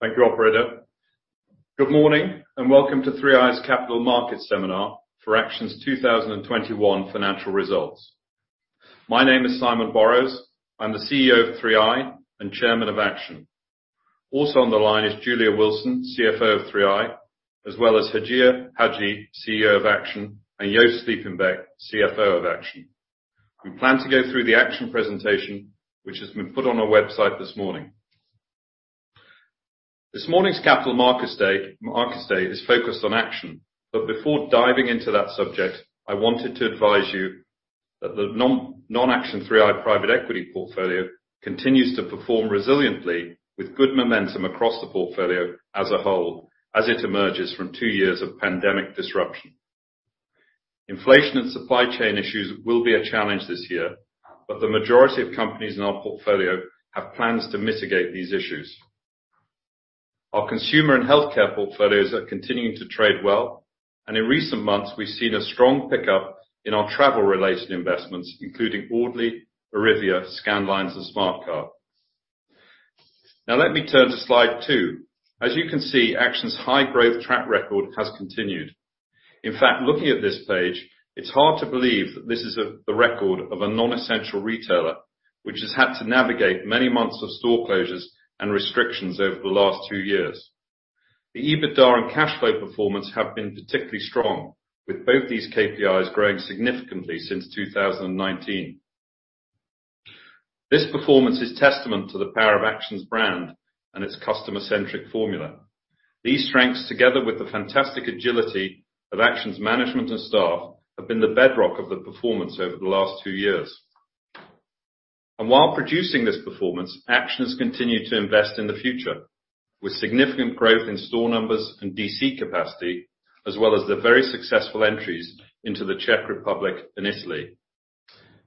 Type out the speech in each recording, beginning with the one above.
Thank you, operator. Good morning, and welcome to 3i's capital markets seminar for Action's 2021 financial results. My name is Simon Borrows. I'm the CEO of 3i and Chairman of Action. Also on the line is Julia Wilson, CFO of 3i, as well as Hajir Hajji, CEO of Action, and Joost Sliepenbeek, CFO of Action. We plan to go through the Action presentation, which has been put on our website this morning. This morning's capital markets day is focused on Action. Before diving into that subject, I wanted to advise you that the non-Action 3i private equity portfolio continues to perform resiliently with good momentum across the portfolio as a whole, as it emerges from two years of pandemic disruption. Inflation and supply chain issues will be a challenge this year, but the majority of companies in our portfolio have plans to mitigate these issues. Our consumer and healthcare portfolios are continuing to trade well, and in recent months, we've seen a strong pickup in our travel-related investments, including Audley, Eurythia, Scandlines, and Smarte Carte. Now let me turn to slide two. As you can see, Action's high growth track record has continued. In fact, looking at this page, it's hard to believe that this is the record of a non-essential retailer, which has had to navigate many months of store closures and restrictions over the last two years. The EBITDA and cash flow performance have been particularly strong, with both these KPIs growing significantly since 2019. This performance is testament to the power of Action's brand and its customer-centric formula. These strengths, together with the fantastic agility of Action's management and staff have been the bedrock of the performance over the last two years. While producing this performance, Action has continued to invest in the future with significant growth in store numbers and DC capacity, as well as the very successful entries into the Czech Republic and Italy,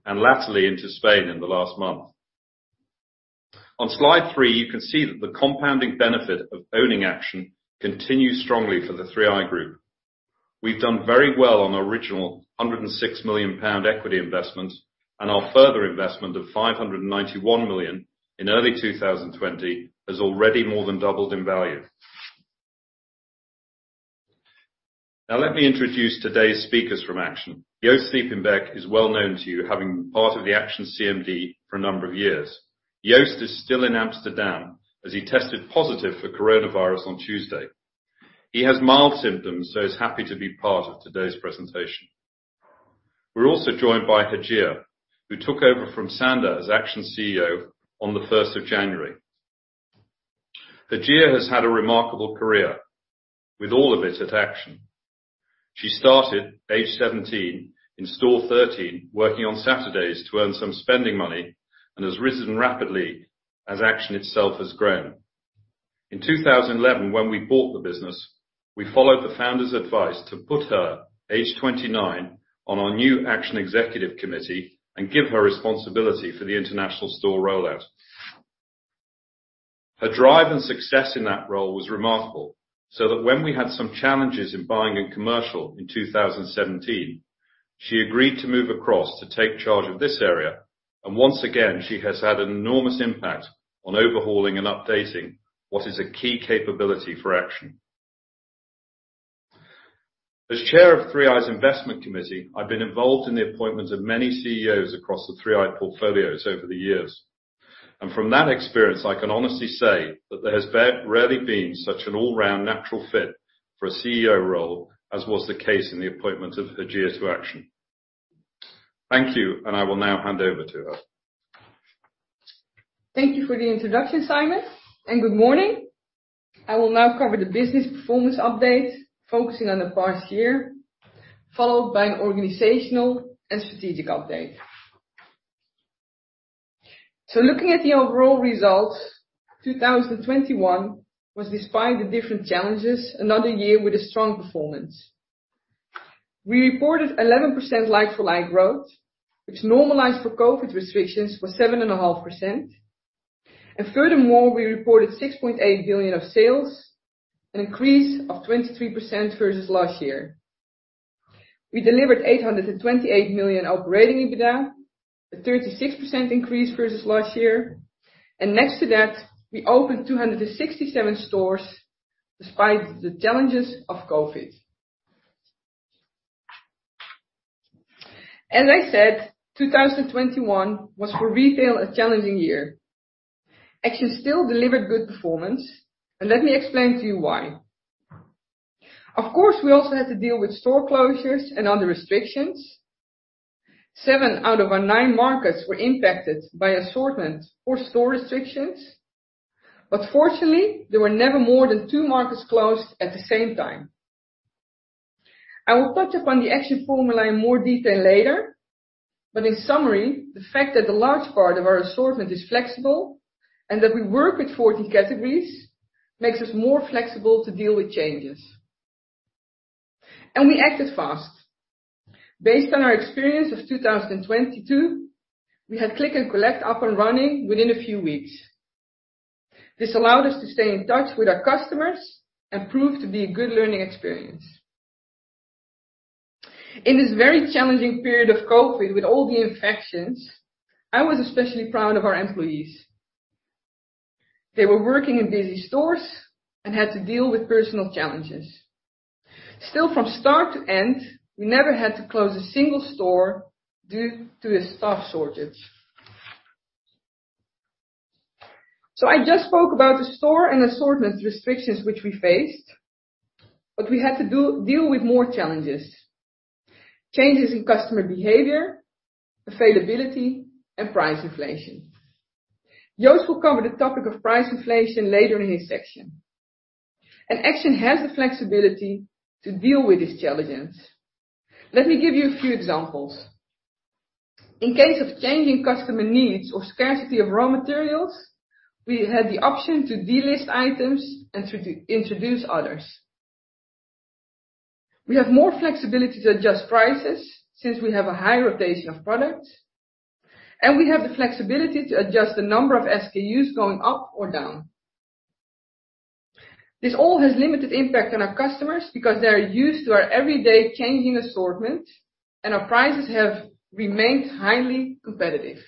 and latterly into Spain in the last month. On slide three, you can see that the compounding benefit of owning Action continues strongly for the 3i Group. We've done very well on the original 106 million pound equity investment, and our further investment of 591 million in early 2020 has already more than doubled in value. Now, let me introduce today's speakers from Action. Joost Sliepenbeek is well known to you having been part of the Action CMD for a number of years. Joost is still in Amsterdam as he tested positive for coronavirus on Tuesday. He has mild symptoms, so he's happy to be part of today's presentation. We're also joined by Hajir, who took over from Sander as Action CEO on the first of January. Hajir has had a remarkable career with all of it at Action. She started age 17 in store 13, working on Saturdays to earn some spending money and has risen rapidly as Action itself has grown. In 2011, when we bought the business, we followed the founder's advice to put her, age 29, on our new Action Executive Committee and give her responsibility for the international store rollout. Her drive and success in that role was remarkable, so that when we had some challenges in buying and commercial in 2017, she agreed to move across to take charge of this area. Once again, she has had an enormous impact on overhauling and updating what is a key capability for Action. As chair of 3i's Investment Committee, I've been involved in the appointments of many CEOs across the 3i portfolios over the years. From that experience, I can honestly say that there has very rarely been such an all-round natural fit for a CEO role as was the case in the appointment of Hajir to Action. Thank you, and I will now hand over to her. Thank you for the introduction, Simon, and good morning. I will now cover the business performance update, focusing on the past year, followed by an organizational and strategic update. Looking at the overall results, 2021 was, despite the different challenges, another year with a strong performance. We reported 11% like for like growth, which normalized for COVID restrictions was 7.5%. Furthermore, we reported 6.8 billion of sales, an increase of 23% versus last year. We delivered 828 million operating EBITDA, a 36% increase versus last year. Next to that, we opened 267 stores despite the challenges of COVID. As I said, 2021 was for retail, a challenging year. Action still delivered good performance, and let me explain to you why. Of course, we also had to deal with store closures and other restrictions. Seven out of our nine markets were impacted by assortment or store restrictions, but fortunately, there were never more than two markets closed at the same time. I will touch upon the Action formula in more detail later, but in summary, the fact that the large part of our assortment is flexible and that we work with 14 categories makes us more flexible to deal with changes. We acted fast. Based on our experience of 2022, we had Click and Collect up and running within a few weeks. This allowed us to stay in touch with our customers and proved to be a good learning experience. In this very challenging period of COVID with all the infections, I was especially proud of our employees. They were working in busy stores and had to deal with personal challenges. Still from start to end, we never had to close a single store due to a staff shortage. I just spoke about the store and assortment restrictions which we faced, but we had to deal with more challenges, changes in customer behavior, availability and price inflation. Joost will cover the topic of price inflation later in his section. Action has the flexibility to deal with these challenges. Let me give you a few examples. In case of changing customer needs or scarcity of raw materials, we have the option to delist items and to introduce others. We have more flexibility to adjust prices since we have a high rotation of products, and we have the flexibility to adjust the number of SKUs going up or down. This all has limited impact on our customers because they are used to our everyday changing assortment, and our prices have remained highly competitive.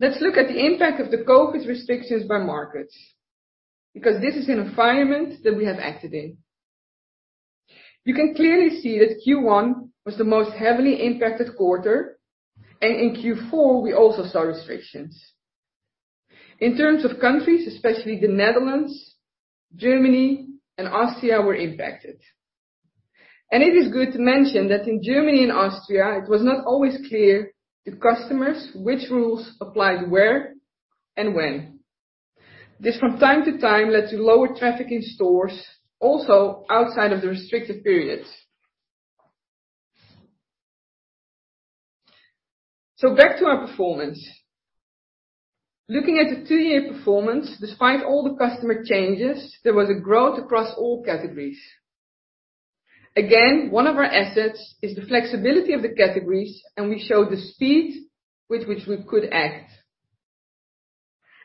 Let's look at the impact of the COVID restrictions by markets, because this is an environment that we have acted in. You can clearly see that Q1 was the most heavily impacted quarter, and in Q4 we also saw restrictions. In terms of countries, especially the Netherlands, Germany and Austria were impacted. It is good to mention that in Germany and Austria, it was not always clear to customers which rules applied where and when. This, from time to time, led to lower traffic in stores, also outside of the restricted periods. Back to our performance. Looking at the two-year performance, despite all the customer changes, there was a growth across all categories. One of our assets is the flexibility of the categories, and we showed the speed with which we could act.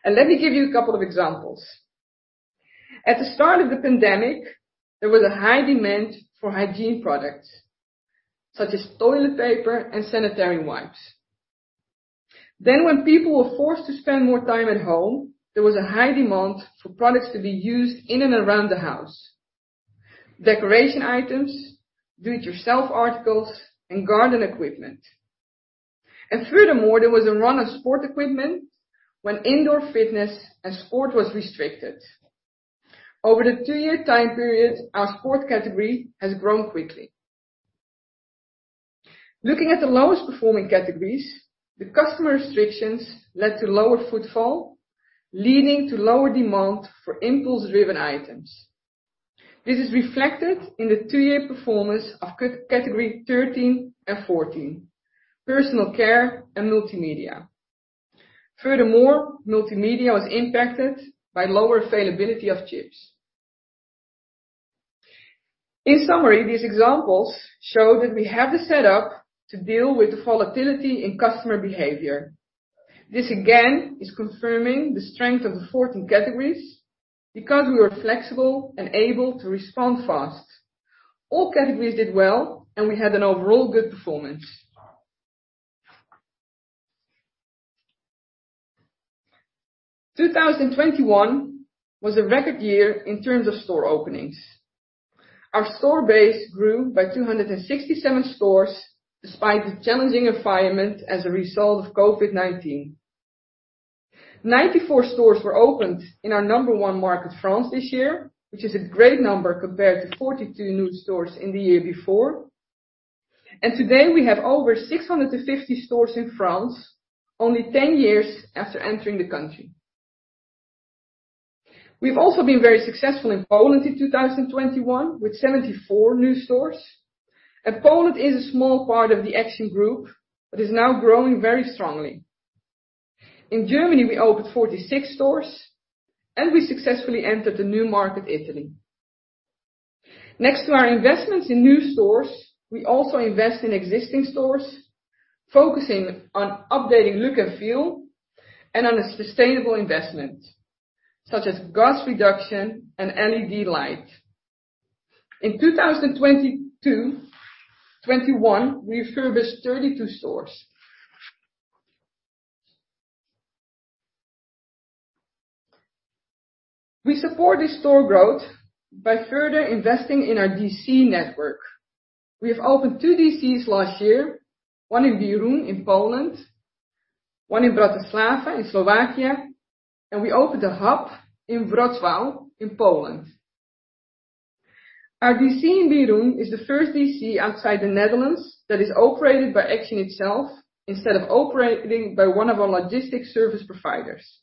Let me give you a couple of examples. At the start of the pandemic, there was a high demand for hygiene products, such as toilet paper and sanitary wipes. When people were forced to spend more time at home, there was a high demand for products to be used in and around the house, decoration items, do-it-yourself articles and garden equipment. Furthermore, there was a run on sport equipment when indoor fitness and sport was restricted. Over the two-year time period, our sport category has grown quickly. Looking at the lowest performing categories, the customer restrictions led to lower footfall, leading to lower demand for impulse-driven items. This is reflected in the two-year performance of categories 13 and 14, personal care and multimedia. Furthermore, multimedia was impacted by lower availability of chips. In summary, these examples show that we have the setup to deal with the volatility in customer behavior. This, again, is confirming the strength of the 14 categories because we were flexible and able to respond fast. All categories did well, and we had an overall good performance. 2021 was a record year in terms of store openings. Our store base grew by 267 stores despite the challenging environment as a result of COVID-19. 94 stores were opened in our number one market, France, this year, which is a great number compared to 42 new stores in the year before. Today, we have over 650 stores in France, only 10 years after entering the country. We've also been very successful in Poland in 2021 with 74 new stores. Poland is a small part of the Action group, but is now growing very strongly. In Germany, we opened 46 stores and we successfully entered the new market, Italy. Next to our investments in new stores, we also invest in existing stores, focusing on updating look and feel and on a sustainable investment, such as gas reduction and LED light. In 2021, we refurbished 32 stores. We support this store growth by further investing in our DC network. We have opened two DCs last year, one in Bieruń in Poland, one in Bratislava in Slovakia, and we opened a hub in Wrocław in Poland. Our DC in Bieruń is the first DC outside the Netherlands that is operated by Action itself instead of operating by one of our logistic service providers.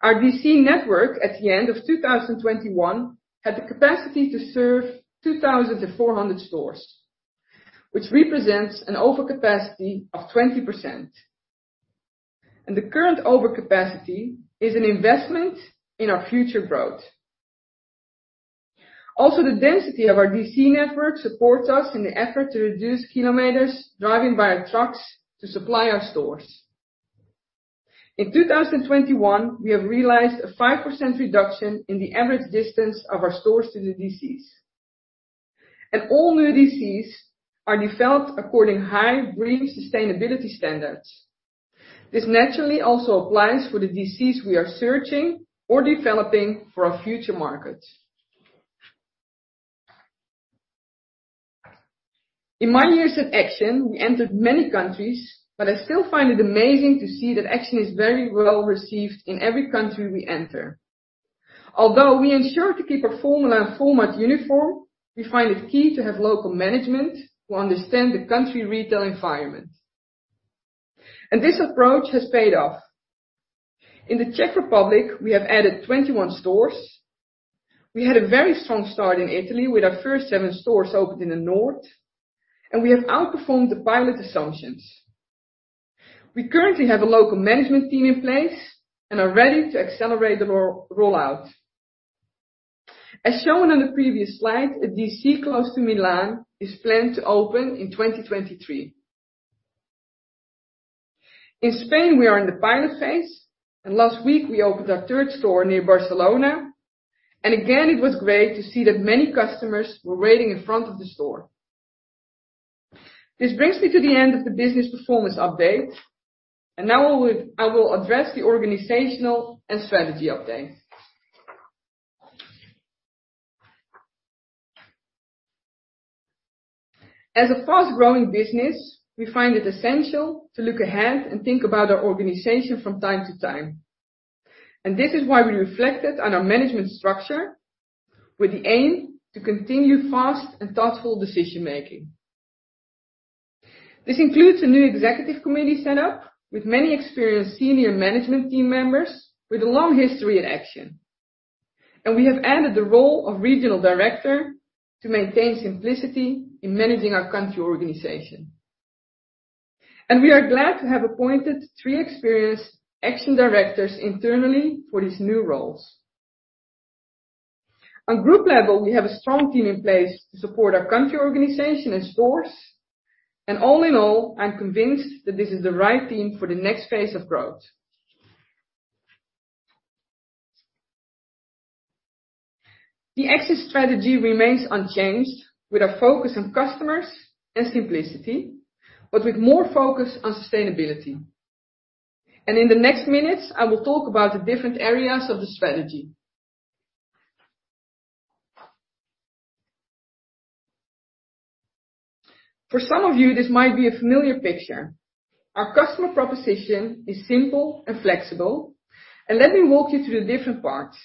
Our DC network at the end of 2021 had the capacity to serve 2,400 stores, which represents an overcapacity of 20%. The current overcapacity is an investment in our future growth. Also, the density of our DC network supports us in the effort to reduce kilometers driven by our trucks to supply our stores. In 2021, we have realized a 5% reduction in the average distance of our stores to the DCs. All new DCs are developed according to high green sustainability standards. This naturally also applies for the DCs we are searching or developing for our future markets. In my years at Action, we entered many countries, but I still find it amazing to see that Action is very well received in every country we enter. Although we ensure to keep our formula and format uniform, we find it key to have local management who understand the country retail environment. This approach has paid off. In the Czech Republic, we have added 21 stores. We had a very strong start in Italy with our first seven stores opened in the north, and we have outperformed the pilot assumptions. We currently have a local management team in place and are ready to accelerate the rollout. As shown on the previous slide, a DC close to Milan is planned to open in 2023. In Spain, we are in the pilot phase, and last week we opened our third store near Barcelona. Again, it was great to see that many customers were waiting in front of the store. This brings me to the end of the business performance update, and now I will address the organizational and strategy update. As a fast-growing business, we find it essential to look ahead and think about our organization from time to time. This is why we reflected on our management structure with the aim to continue fast and thoughtful decision-making. This includes a new executive committee setup with many experienced senior management team members with a long history at Action. We have added the role of regional director to maintain simplicity in managing our country organization. We are glad to have appointed three experienced Action directors internally for these new roles. On group level, we have a strong team in place to support our country organization and stores. All in all, I'm convinced that this is the right team for the next phase of growth. The Action strategy remains unchanged with our focus on customers and simplicity, but with more focus on sustainability. In the next minutes, I will talk about the different areas of the strategy. For some of you, this might be a familiar picture. Our customer proposition is simple and flexible, and let me walk you through the different parts.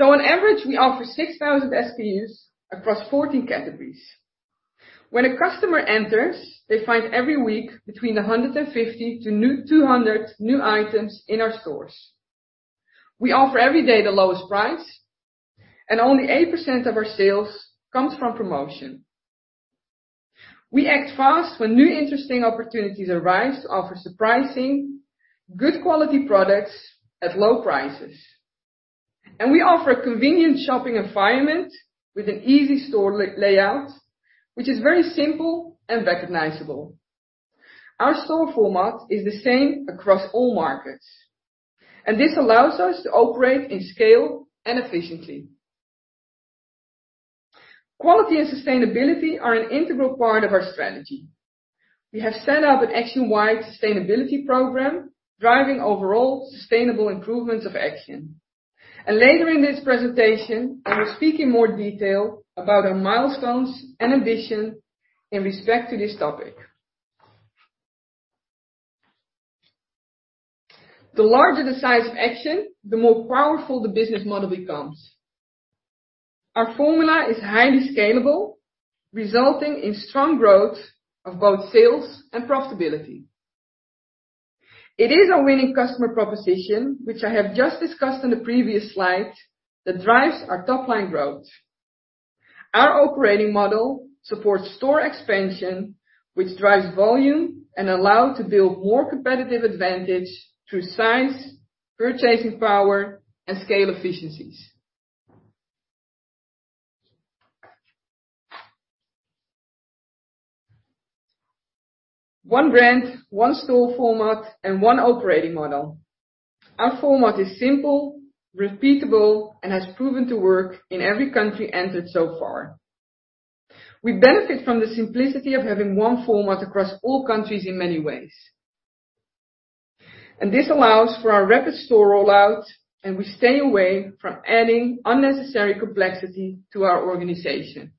On average, we offer 6,000 SKUs across 14 categories. When a customer enters, they find every week between 150-200 new items in our stores. We offer every day the lowest price, and only 8% of our sales comes from promotion. We act fast when new interesting opportunities arise to offer surprising, good quality products at low prices. We offer a convenient shopping environment with an easy store layout, which is very simple and recognizable. Our store format is the same across all markets, and this allows us to operate in scale and efficiently. Quality and sustainability are an integral part of our strategy. We have set up an Action-wide sustainability program driving overall sustainable improvements of Action. Later in this presentation, I will speak in more detail about our milestones and ambition in respect to this topic. The larger the size of Action, the more powerful the business model becomes. Our formula is highly scalable, resulting in strong growth of both sales and profitability. It is our winning customer proposition, which I have just discussed in the previous slide, that drives our top-line growth. Our operating model supports store expansion, which drives volume and allow to build more competitive advantage through size, purchasing power, and scale efficiencies. One brand, one store format, and one operating model. Our format is simple, repeatable, and has proven to work in every country entered so far. We benefit from the simplicity of having one format across all countries in many ways. This allows for our rapid store rollout, and we stay away from adding unnecessary complexity to our organization.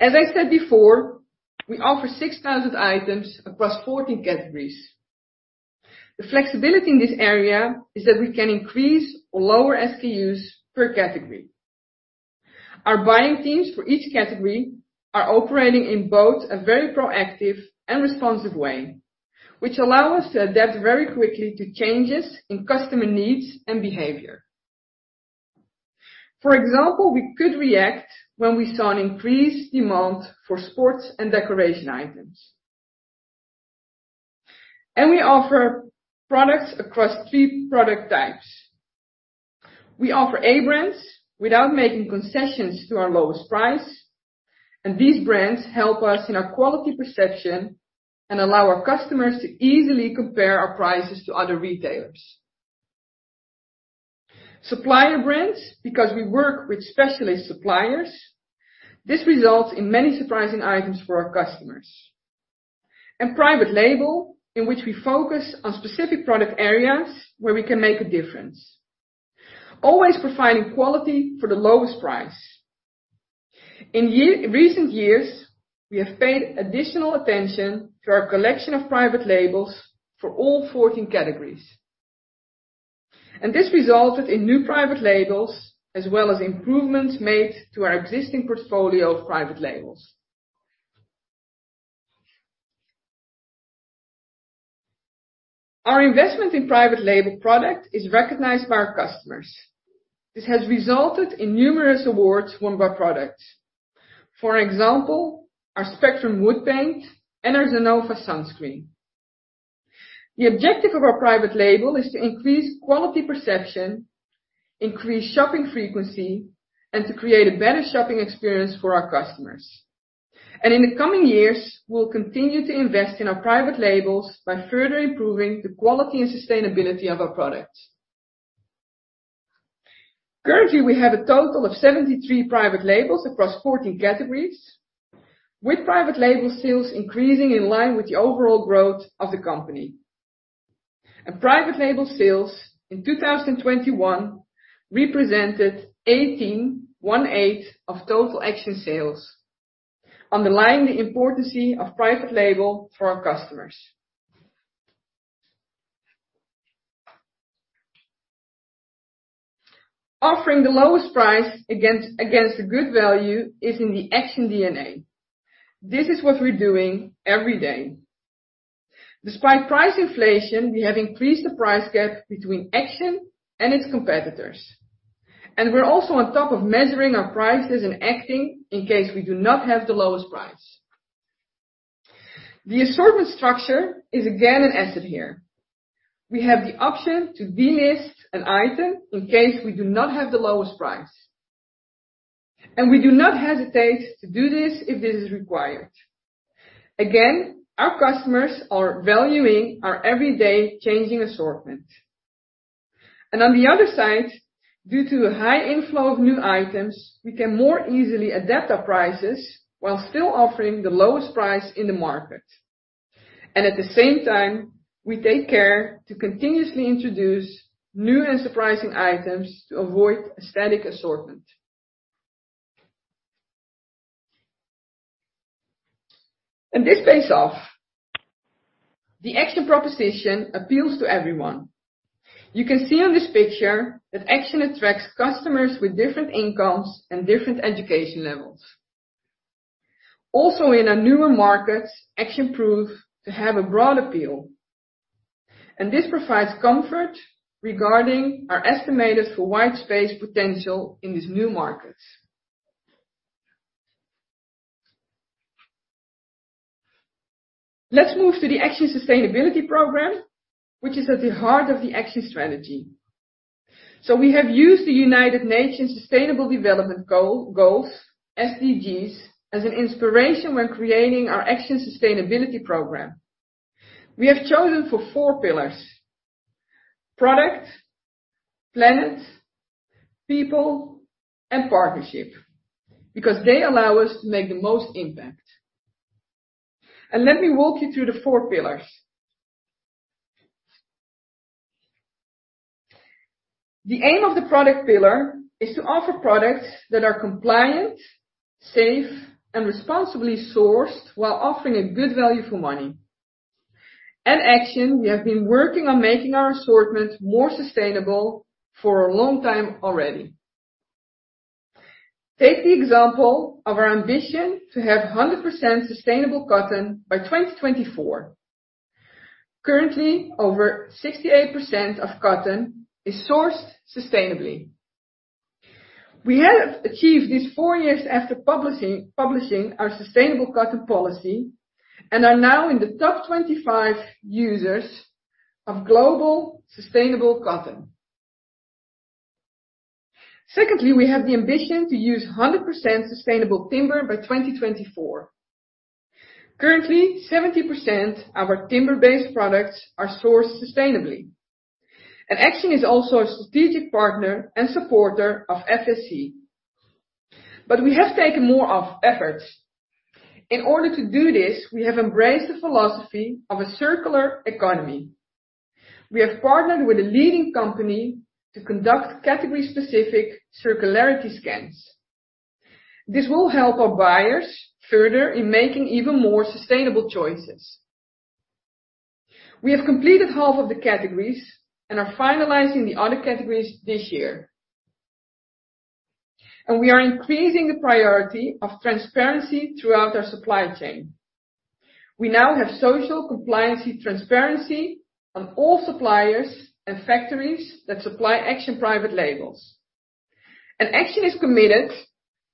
As I said before, we offer 6,000 items across 14 categories. The flexibility in this area is that we can increase or lower SKUs per category. Our buying teams for each category are operating in both a very proactive and responsive way, which allow us to adapt very quickly to changes in customer needs and behavior. For example, we could react when we saw an increased demand for sports and decoration items. We offer products across three product types. We offer A brands without making concessions to our lowest price, and these brands help us in our quality perception and allow our customers to easily compare our prices to other retailers. Supplier brands, because we work with specialist suppliers, this results in many surprising items for our customers. Private label, in which we focus on specific product areas where we can make a difference, always providing quality for the lowest price. In recent years, we have paid additional attention to our collection of private labels for all 14 categories. This resulted in new private labels, as well as improvements made to our existing portfolio of private labels. Our investment in private label product is recognized by our customers. This has resulted in numerous awards won by products. For example, our Spectrum wood paint and our Zenova sunscreen. The objective of our private label is to increase quality perception, increase shopping frequency, and to create a better shopping experience for our customers. In the coming years, we'll continue to invest in our private labels by further improving the quality and sustainability of our products. Currently, we have a total of 73 private labels across 14 categories, with private label sales increasing in line with the overall growth of the company. Private label sales in 2021 represented 18% of total Action sales, underlining the importance of private label for our customers. Offering the lowest price against a good value is in the Action DNA. This is what we're doing every day. Despite price inflation, we have increased the price gap between Action and its competitors, and we're also on top of measuring our prices and acting in case we do not have the lowest price. The assortment structure is again an asset here. We have the option to delist an item in case we do not have the lowest price, and we do not hesitate to do this if this is required. Again, our customers are valuing our everyday changing assortment. On the other side, due to a high inflow of new items, we can more easily adapt our prices while still offering the lowest price in the market. At the same time, we take care to continuously introduce new and surprising items to avoid a static assortment. This pays off. The Action proposition appeals to everyone. You can see on this picture that Action attracts customers with different incomes and different education levels. Also, in our newer markets, Action proves to have a broad appeal, and this provides comfort regarding our estimators for white space potential in these new markets. Let's move to the Action sustainability program, which is at the heart of the Action strategy. We have used the United Nations Sustainable Development Goals, SDGs, as an inspiration when creating our Action sustainability program. We have chosen for four pillars: product, planet, people, and partnership, because they allow us to make the most impact. Let me walk you through the four pillars. The aim of the product pillar is to offer products that are compliant, safe, and responsibly sourced while offering a good value for money. At Action, we have been working on making our assortment more sustainable for a long time already. Take the example of our ambition to have 100% sustainable cotton by 2024. Currently, over 68% of cotton is sourced sustainably. We have achieved this four years after publishing our sustainable cotton policy, and are now in the top 25 users of global sustainable cotton. Secondly, we have the ambition to use 100% sustainable timber by 2024. Currently, 70% of our timber-based products are sourced sustainably. Action is also a strategic partner and supporter of FSC, but we have taken more efforts. In order to do this, we have embraced the philosophy of a circular economy. We have partnered with a leading company to conduct category-specific circularity scans. This will help our buyers further in making even more sustainable choices. We have completed half of the categories and are finalizing the other categories this year. We are increasing the priority of transparency throughout our supply chain. We now have social compliance transparency on all suppliers and factories that supply Action private labels. Action is committed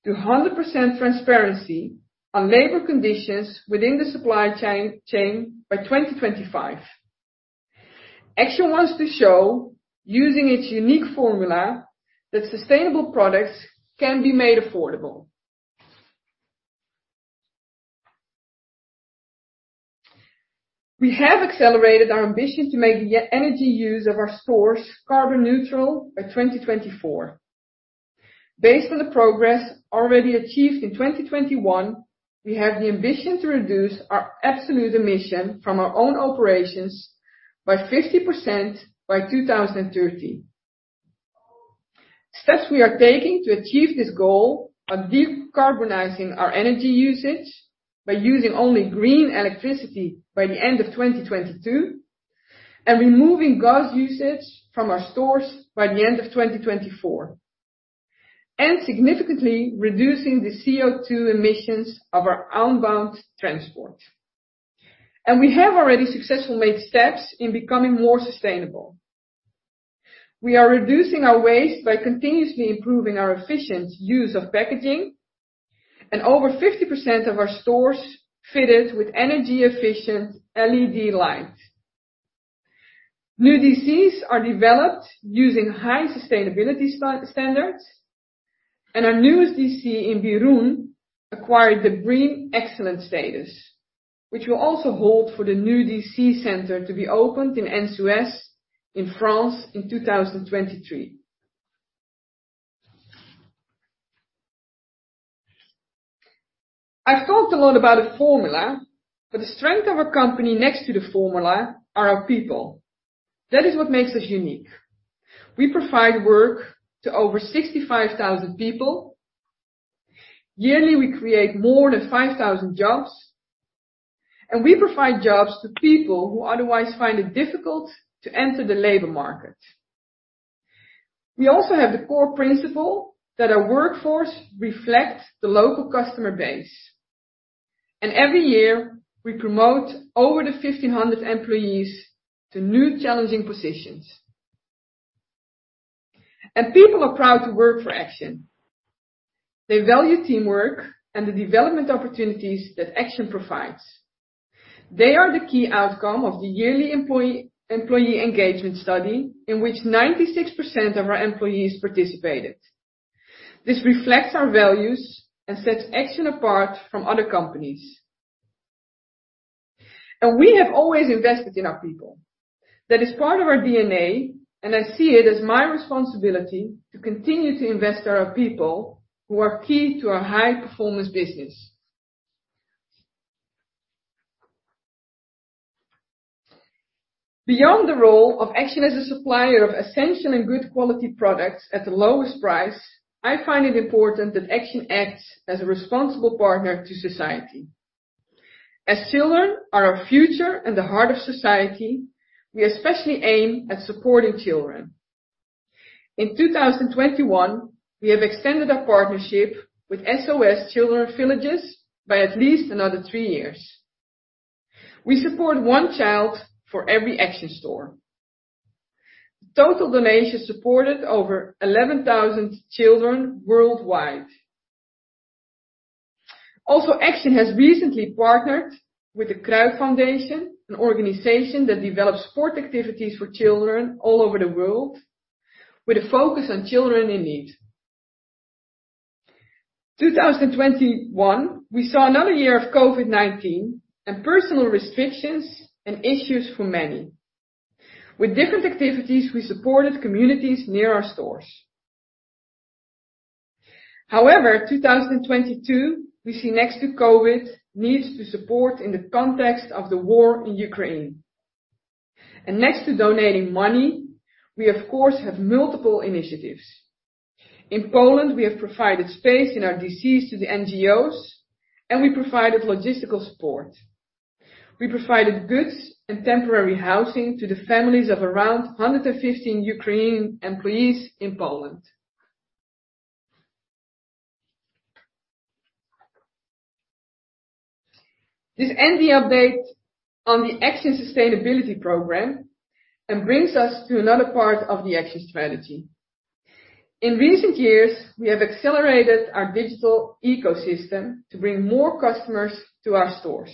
to 100% transparency on labor conditions within the supply chain by 2025. Action wants to show, using its unique formula, that sustainable products can be made affordable. We have accelerated our ambition to make the energy use of our stores carbon neutral by 2024. Based on the progress already achieved in 2021, we have the ambition to reduce our absolute emission from our own operations by 50% by 2030. Steps we are taking to achieve this goal are decarbonizing our energy usage by using only green electricity by the end of 2022, and removing gas usage from our stores by the end of 2024, and significantly reducing the CO2 emissions of our outbound transport. We have already successfully made steps in becoming more sustainable. We are reducing our waste by continuously improving our efficient use of packaging. Over 50% of our stores fitted with energy efficient LED lights. New DCs are developed using high sustainability standards, and our newest DC in Bieruń acquired the Green Excellent status, which will also hold for the new DC center to be opened in Annecy in France in 2023. I've talked a lot about the formula, but the strength of our company next to the formula are our people. That is what makes us unique. We provide work to over 65,000 people. Yearly, we create more than 5,000 jobs, and we provide jobs to people who otherwise find it difficult to enter the labor market. We also have the core principle that our workforce reflects the local customer base. Every year, we promote over 1,500 employees to new challenging positions. People are proud to work for Action. They value teamwork and the development opportunities that Action provides. They are the key outcome of the yearly employee engagement study in which 96% of our employees participated. This reflects our values and sets Action apart from other companies. We have always invested in our people. That is part of our DNA, and I see it as my responsibility to continue to invest in our people who are key to our high performance business. Beyond the role of Action as a supplier of essential and good quality products at the lowest price, I find it important that Action acts as a responsible partner to society. As children are our future and the heart of society, we especially aim at supporting children. In 2021, we have extended our partnership with SOS Children's Villages by at least another three years. We support one child for every Action store. Total donations supported over 11,000 children worldwide. Also, Action has recently partnered with the Cruyff Foundation, an organization that develops sports activities for children all over the world with a focus on children in need. In 2021, we saw another year of COVID-19 and personal restrictions and issues for many. With different activities, we supported communities near our stores. However, 2022, we see next to COVID, the need to support in the context of the war in Ukraine. Next to donating money, we of course have multiple initiatives. In Poland, we have provided space in our DCs to the NGOs, and we provided logistical support. We provided goods and temporary housing to the families of around 115 Ukrainian employees in Poland. This ends the update on the Action sustainability program and brings us to another part of the Action strategy. In recent years, we have accelerated our digital ecosystem to bring more customers to our stores,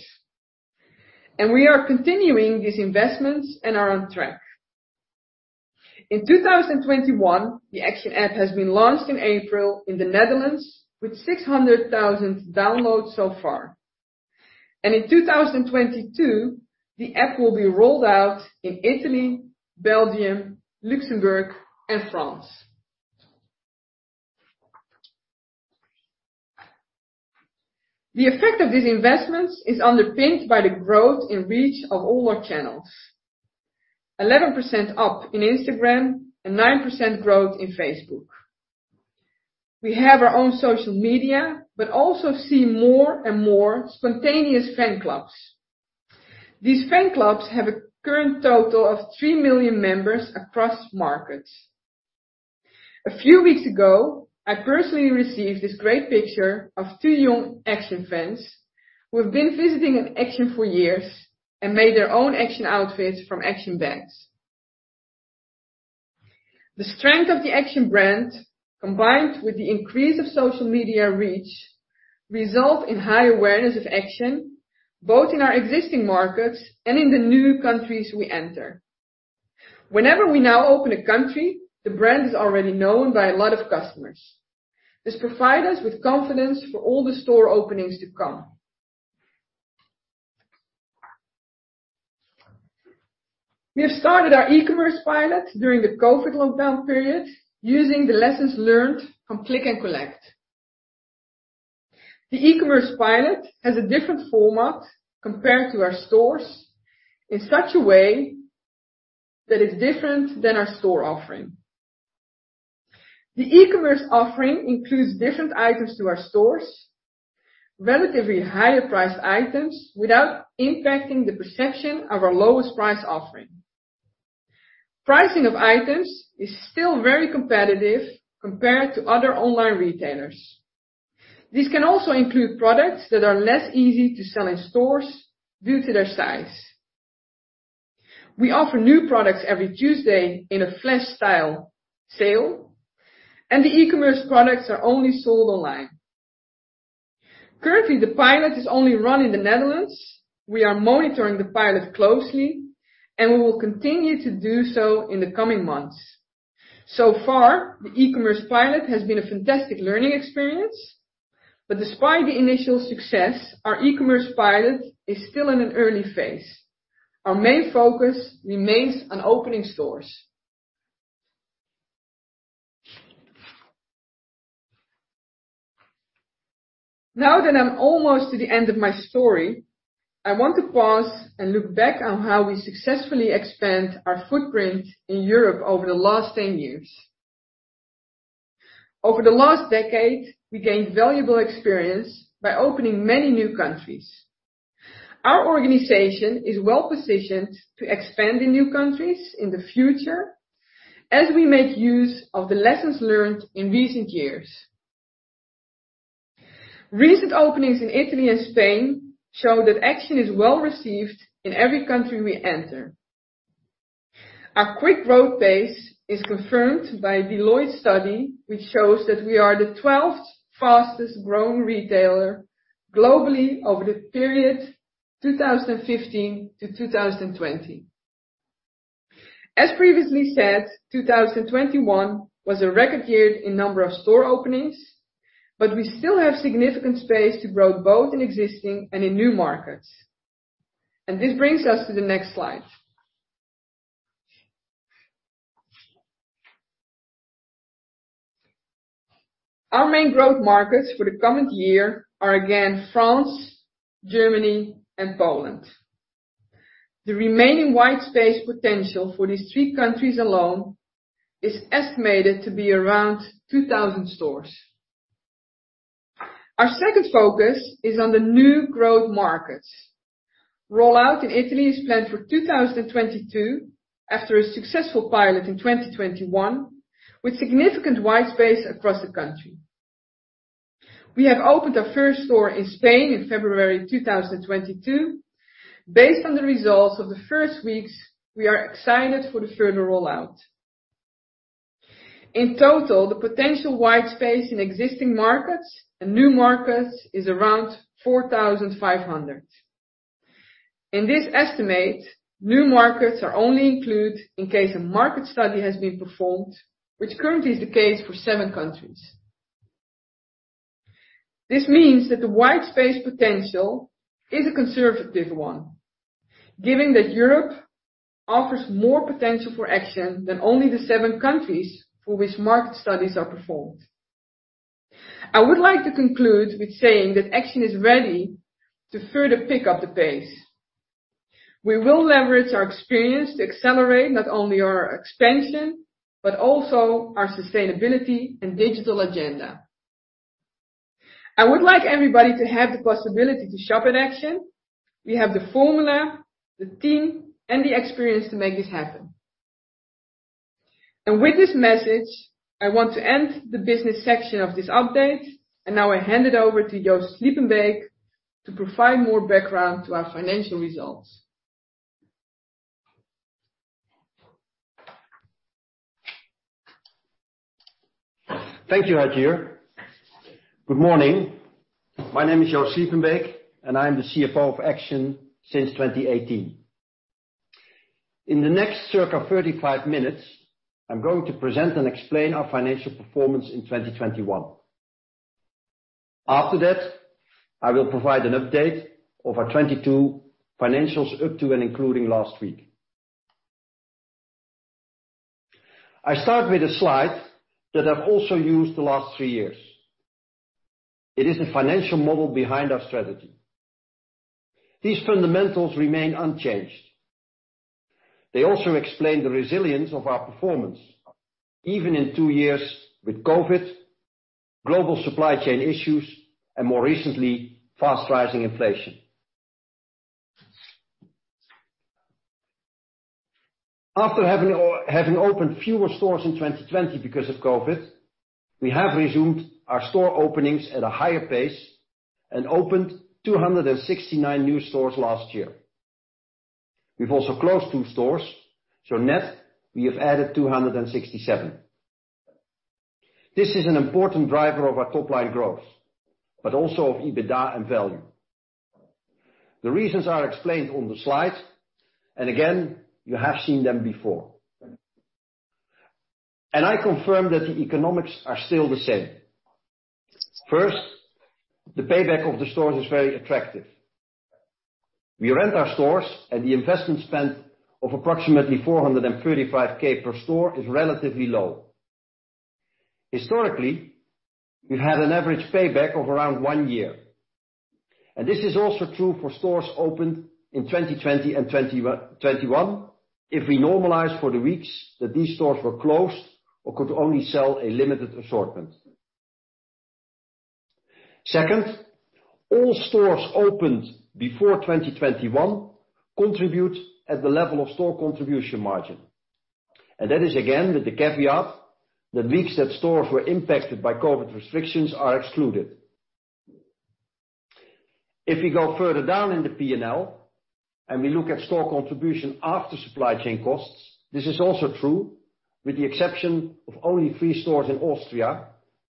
and we are continuing these investments and are on track. In 2021, the Action app has been launched in April in the Netherlands with 600,000 downloads so far. In 2022, the app will be rolled out in Italy, Belgium, Luxembourg, and France. The effect of these investments is underpinned by the growth in reach of all our channels. 11% up in Instagram and 9% growth in Facebook. We have our own social media, but also see more and more spontaneous fan clubs. These fan clubs have a current total of 3 million members across markets. A few weeks ago, I personally received this great picture of two young Action fans who have been visiting an Action for years and made their own Action outfits from Action bags. The strength of the Action brand, combined with the increase of social media reach, result in high awareness of Action, both in our existing markets and in the new countries we enter. Whenever we now open a country, the brand is already known by a lot of customers. This provide us with confidence for all the store openings to come. We have started our eCommerce pilot during the COVID lockdown period using the lessons learned from Click and Collect. The eCommerce pilot has a different format compared to our stores in such a way that is different than our store offering. The eCommerce offering includes different items to our stores, relatively higher priced items, without impacting the perception of our lowest price offering. Pricing of items is still very competitive compared to other online retailers. These can also include products that are less easy to sell in stores due to their size. We offer new products every Tuesday in a flash style sale, and the eCommerce products are only sold online. Currently, the pilot is only run in the Netherlands. We are monitoring the pilot closely, and we will continue to do so in the coming months. So far, the eCommerce pilot has been a fantastic learning experience, but despite the initial success, our eCommerce pilot is still in an early phase. Our main focus remains on opening stores. Now that I'm almost to the end of my story, I want to pause and look back on how we successfully expand our footprint in Europe over the last 10 years. Over the last decade, we gained valuable experience by opening many new countries. Our organization is well-positioned to expand in new countries in the future as we make use of the lessons learned in recent years. Recent openings in Italy and Spain show that Action is well received in every country we enter. Our quick growth pace is confirmed by Deloitte study, which shows that we are the 12th fastest growing retailer globally over the period 2015 to 2020. As previously said, 2021 was a record year in number of store openings, but we still have significant space to grow both in existing and in new markets. This brings us to the next slide. Our main growth markets for the coming year are again France, Germany and Poland. The remaining white space potential for these three countries alone is estimated to be around 2,000 stores. Our second focus is on the new growth markets. Rollout in Italy is planned for 2022 after a successful pilot in 2021, with significant white space across the country. We have opened our first store in Spain in February 2022. Based on the results of the first weeks, we are excited for the further rollout. In total, the potential white space in existing markets and new markets is around 4,500. In this estimate, new markets are only included in case a market study has been performed, which currently is the case for seven countries. This means that the white space potential is a conservative one, given that Europe offers more potential for Action than only the seven countries for which market studies are performed. I would like to conclude with saying that Action is ready to further pick up the pace. We will leverage our experience to accelerate not only our expansion, but also our sustainability and digital agenda. I would like everybody to have the possibility to shop at Action. We have the formula, the team, and the experience to make this happen. With this message, I want to end the business section of this update. Now I hand it over to Joost Sliepenbeek to provide more background to our financial results. Thank you, Hajir. Good morning. My name is Joost Sliepenbeek, and I'm the CFO of Action since 2018. In the next circa 35 minutes, I'm going to present and explain our financial performance in 2021. After that, I will provide an update of our 2022 financials up to and including last week. I start with a slide that I've also used the last three years. It is the financial model behind our strategy. These fundamentals remain unchanged. They also explain the resilience of our performance, even in two years with COVID, global supply chain issues, and more recently, fast rising inflation. After having opened fewer stores in 2020 because of COVID, we have resumed our store openings at a higher pace and opened 269 new stores last year. We've also closed two stores, so net we have added 267. This is an important driver of our top line growth, but also of EBITDA and value. The reasons are explained on the slide, and again, you have seen them before. I confirm that the economics are still the same. First, the payback of the stores is very attractive. We rent our stores and the investment spend of approximately 435K per store is relatively low. Historically, we've had an average payback of around one year, and this is also true for stores opened in 2020 and 2021 if we normalize for the weeks that these stores were closed or could only sell a limited assortment. Second, all stores opened before 2021 contribute at the level of store contribution margin. That is again with the caveat that weeks that stores were impacted by COVID restrictions are excluded. If we go further down in the P&L and we look at store contribution after supply chain costs, this is also true with the exception of only three stores in Austria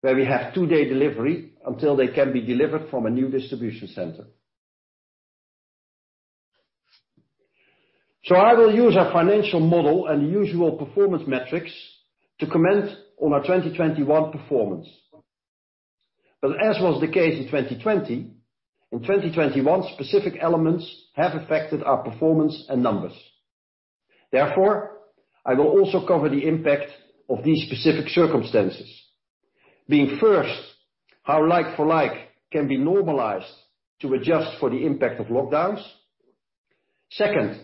where we have two-day delivery until they can be delivered from a new distribution center. I will use our financial model and usual performance metrics to comment on our 2021 performance. As was the case in 2020, in 2021 specific elements have affected our performance and numbers. Therefore, I will also cover the impact of these specific circumstances, being first, how like for like can be normalized to adjust for the impact of lockdowns. Second,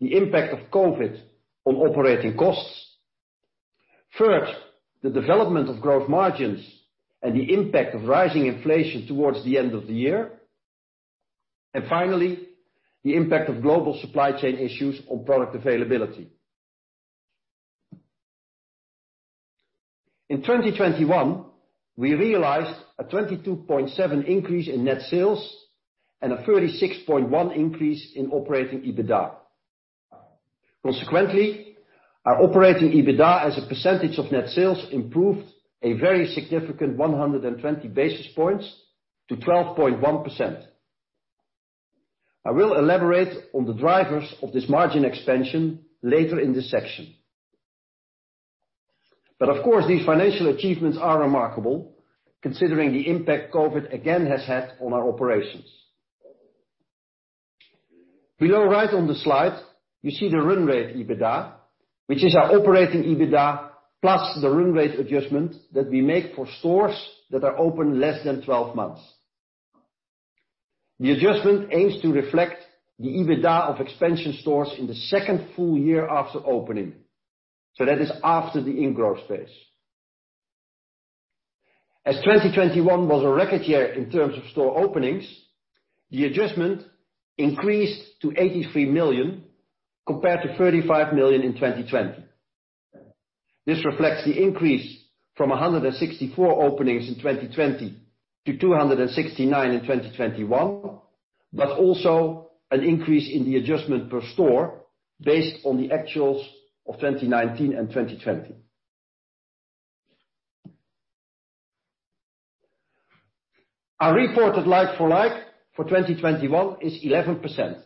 the impact of COVID on operating costs. Third, the development of gross margins and the impact of rising inflation towards the end of the year. And finally, the impact of global supply chain issues on product availability. In 2021, we realized a 22.7 increase in net sales and a 36.1 increase in operating EBITDA. Consequently, our operating EBITDA as a percentage of net sales improved a very significant 120 basis points to 12.1%. I will elaborate on the drivers of this margin expansion later in this section. Of course, these financial achievements are remarkable considering the impact COVID again has had on our operations. Below right on the slide, you see the run rate EBITDA, which is our operating EBITDA plus the run rate adjustment that we make for stores that are open less than 12 months. The adjustment aims to reflect the EBITDA of expansion stores in the second full year after opening, so that is after the in-growth phase. 2021 was a record year in terms of store openings, the adjustment increased to 83 million compared to 35 million in 2020. This reflects the increase from 164 openings in 2020 to 269 in 2021, but also an increase in the adjustment per store based on the actuals of 2019 and 2020. Our reported like-for-like for 2021 is 11%.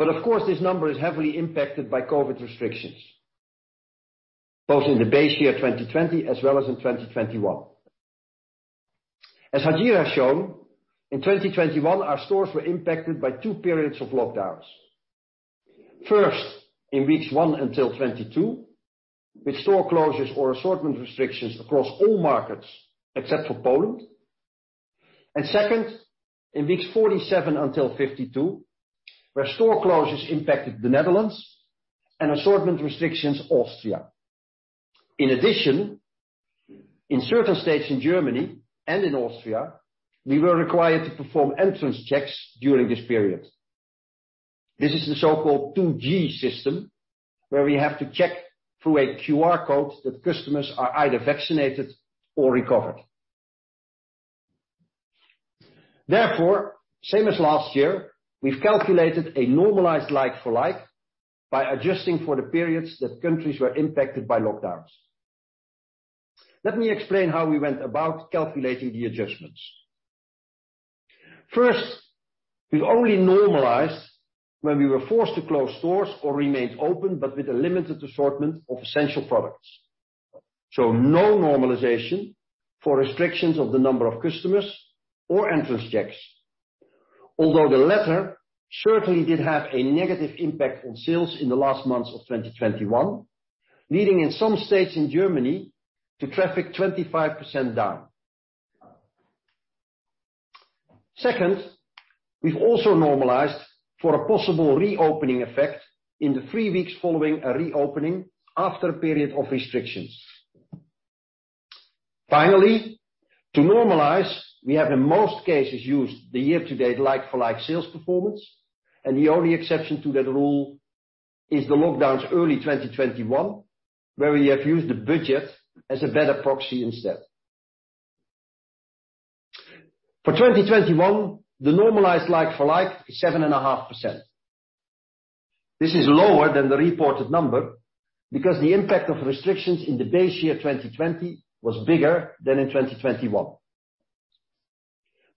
Of course, this number is heavily impacted by COVID restrictions, both in the base year 2020 as well as in 2021. As Hajir has shown, in 2021, our stores were impacted by two periods of lockdowns. First, in weeks one until 22, with store closures or assortment restrictions across all markets except for Poland. Second, in weeks 47 until 52, where store closures impacted the Netherlands and assortment restrictions Austria. In addition, in certain states in Germany and in Austria, we were required to perform entrance checks during this period. This is the so-called 2G system, where we have to check through a QR code that customers are either vaccinated or recovered. Therefore, same as last year, we've calculated a normalized like for like by adjusting for the periods that countries were impacted by lockdowns. Let me explain how we went about calculating the adjustments. First, we only normalized when we were forced to close stores or remained open but with a limited assortment of essential products. No normalization for restrictions of the number of customers or entrance checks. Although the latter certainly did have a negative impact on sales in the last months of 2021, leading in some states in Germany to traffic 25% down. Second, we've also normalized for a possible reopening effect in the three weeks following a reopening after a period of restrictions. Finally, to normalize, we have in most cases used the year-to-date like-for-like sales performance, and the only exception to that rule is the lockdowns early 2021, where we have used the budget as a better proxy instead. For 2021, the normalized like-for-like is 7.5%. This is lower than the reported number because the impact of restrictions in the base year 2020 was bigger than in 2021.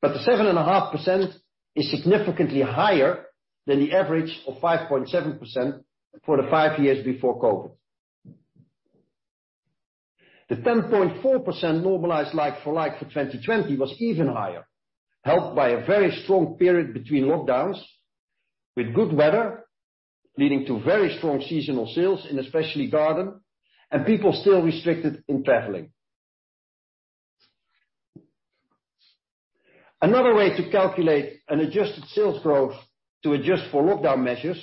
The 7.5% is significantly higher than the average of 5.7% for the five years before COVID. The 10.4% normalized like-for-like for 2020 was even higher, helped by a very strong period between lockdowns, with good weather leading to very strong seasonal sales in especially garden and people still restricted in traveling. Another way to calculate an adjusted sales growth to adjust for lockdown measures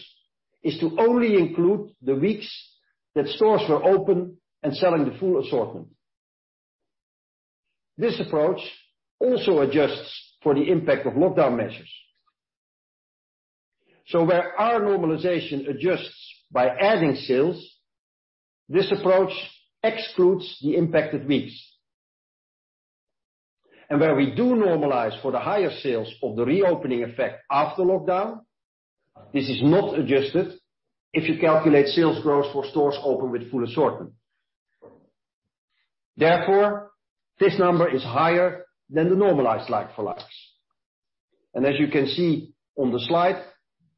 is to only include the weeks that stores were open and selling the full assortment. This approach also adjusts for the impact of lockdown measures. Where our normalization adjusts by adding sales, this approach excludes the impacted weeks. Where we do normalize for the higher sales of the reopening effect after lockdown, this is not adjusted if you calculate sales growth for stores open with full assortment. Therefore, this number is higher than the normalized like for likes. As you can see on the slide,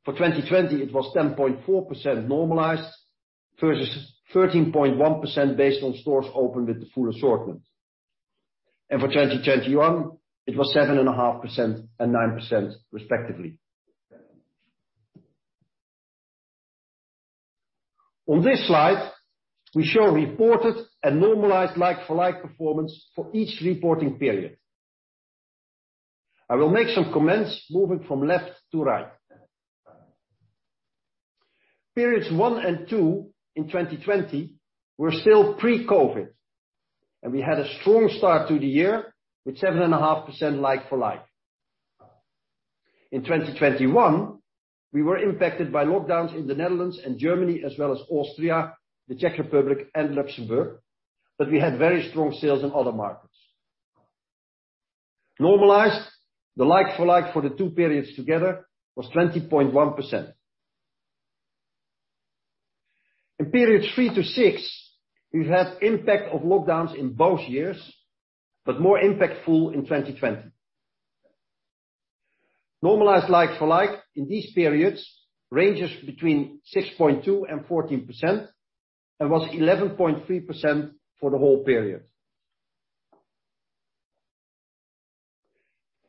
for 2020 it was 10.4% normalized versus 13.1% based on stores open with the full assortment. For 2021, it was 7.5% and 9% respectively. On this slide, we show reported and normalized like-for-like performance for each reporting period. I will make some comments moving from left to right. Periods one and two in 2020 were still pre-COVID, and we had a strong start to the year with 7.5% like-for-like. In 2021, we were impacted by lockdowns in the Netherlands and Germany, as well as Austria, the Czech Republic and Luxembourg, but we had very strong sales in other markets. Normalized, the like-for-like for the two periods together was 20.1%. In periods three to six, we've had impact of lockdowns in both years, but more impactful in 2020. Normalized like for like in these periods ranges between 6.2%-14% and was 11.3% for the whole period.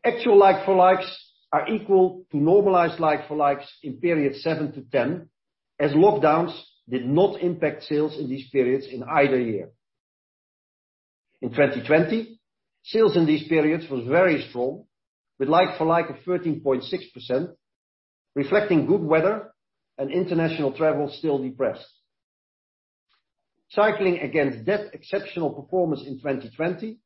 Actual like for likes are equal to normalized like for likes in period seven to 10 as lockdowns did not impact sales in these periods in either year. In 2020, sales in these periods was very strong with like for like of 13.6%, reflecting good weather and international travel still depressed. Cycling against that exceptional performance in 2020,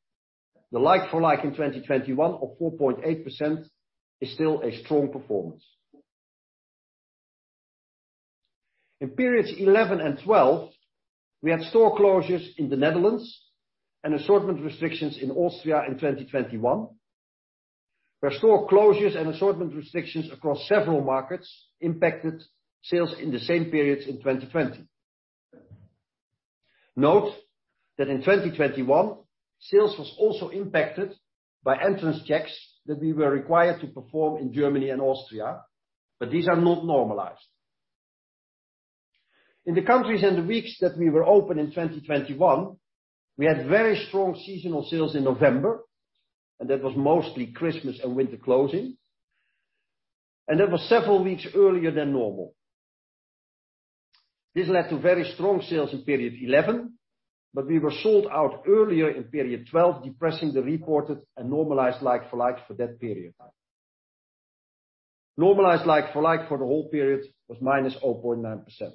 the like for like in 2021 of 4.8% is still a strong performance. In periods 11 and 12, we had store closures in the Netherlands and assortment restrictions in Austria in 2021, where store closures and assortment restrictions across several markets impacted sales in the same periods in 2020. Note that in 2021, sales was also impacted by entrance checks that we were required to perform in Germany and Austria, but these are not normalized. In the countries and the weeks that we were open in 2021, we had very strong seasonal sales in November, and that was mostly Christmas and winter clothing, and that was several weeks earlier than normal. This led to very strong sales in period 11, but we were sold out earlier in period 12, depressing the reported and normalized like for like for that period. Normalized like for like for the whole period was -0.9%.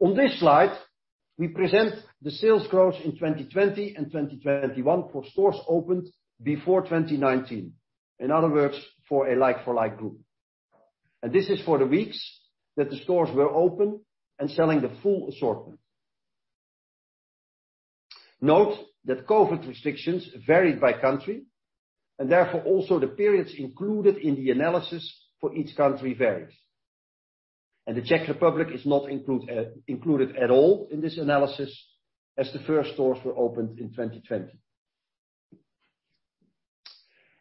On this slide, we present the sales growth in 2020 and 2021 for stores opened before 2019. In other words, for a like for like group. This is for the weeks that the stores were open and selling the full assortment. Note that COVID restrictions varied by country and therefore also the periods included in the analysis for each country varies. The Czech Republic is not included at all in this analysis as the first stores were opened in 2020.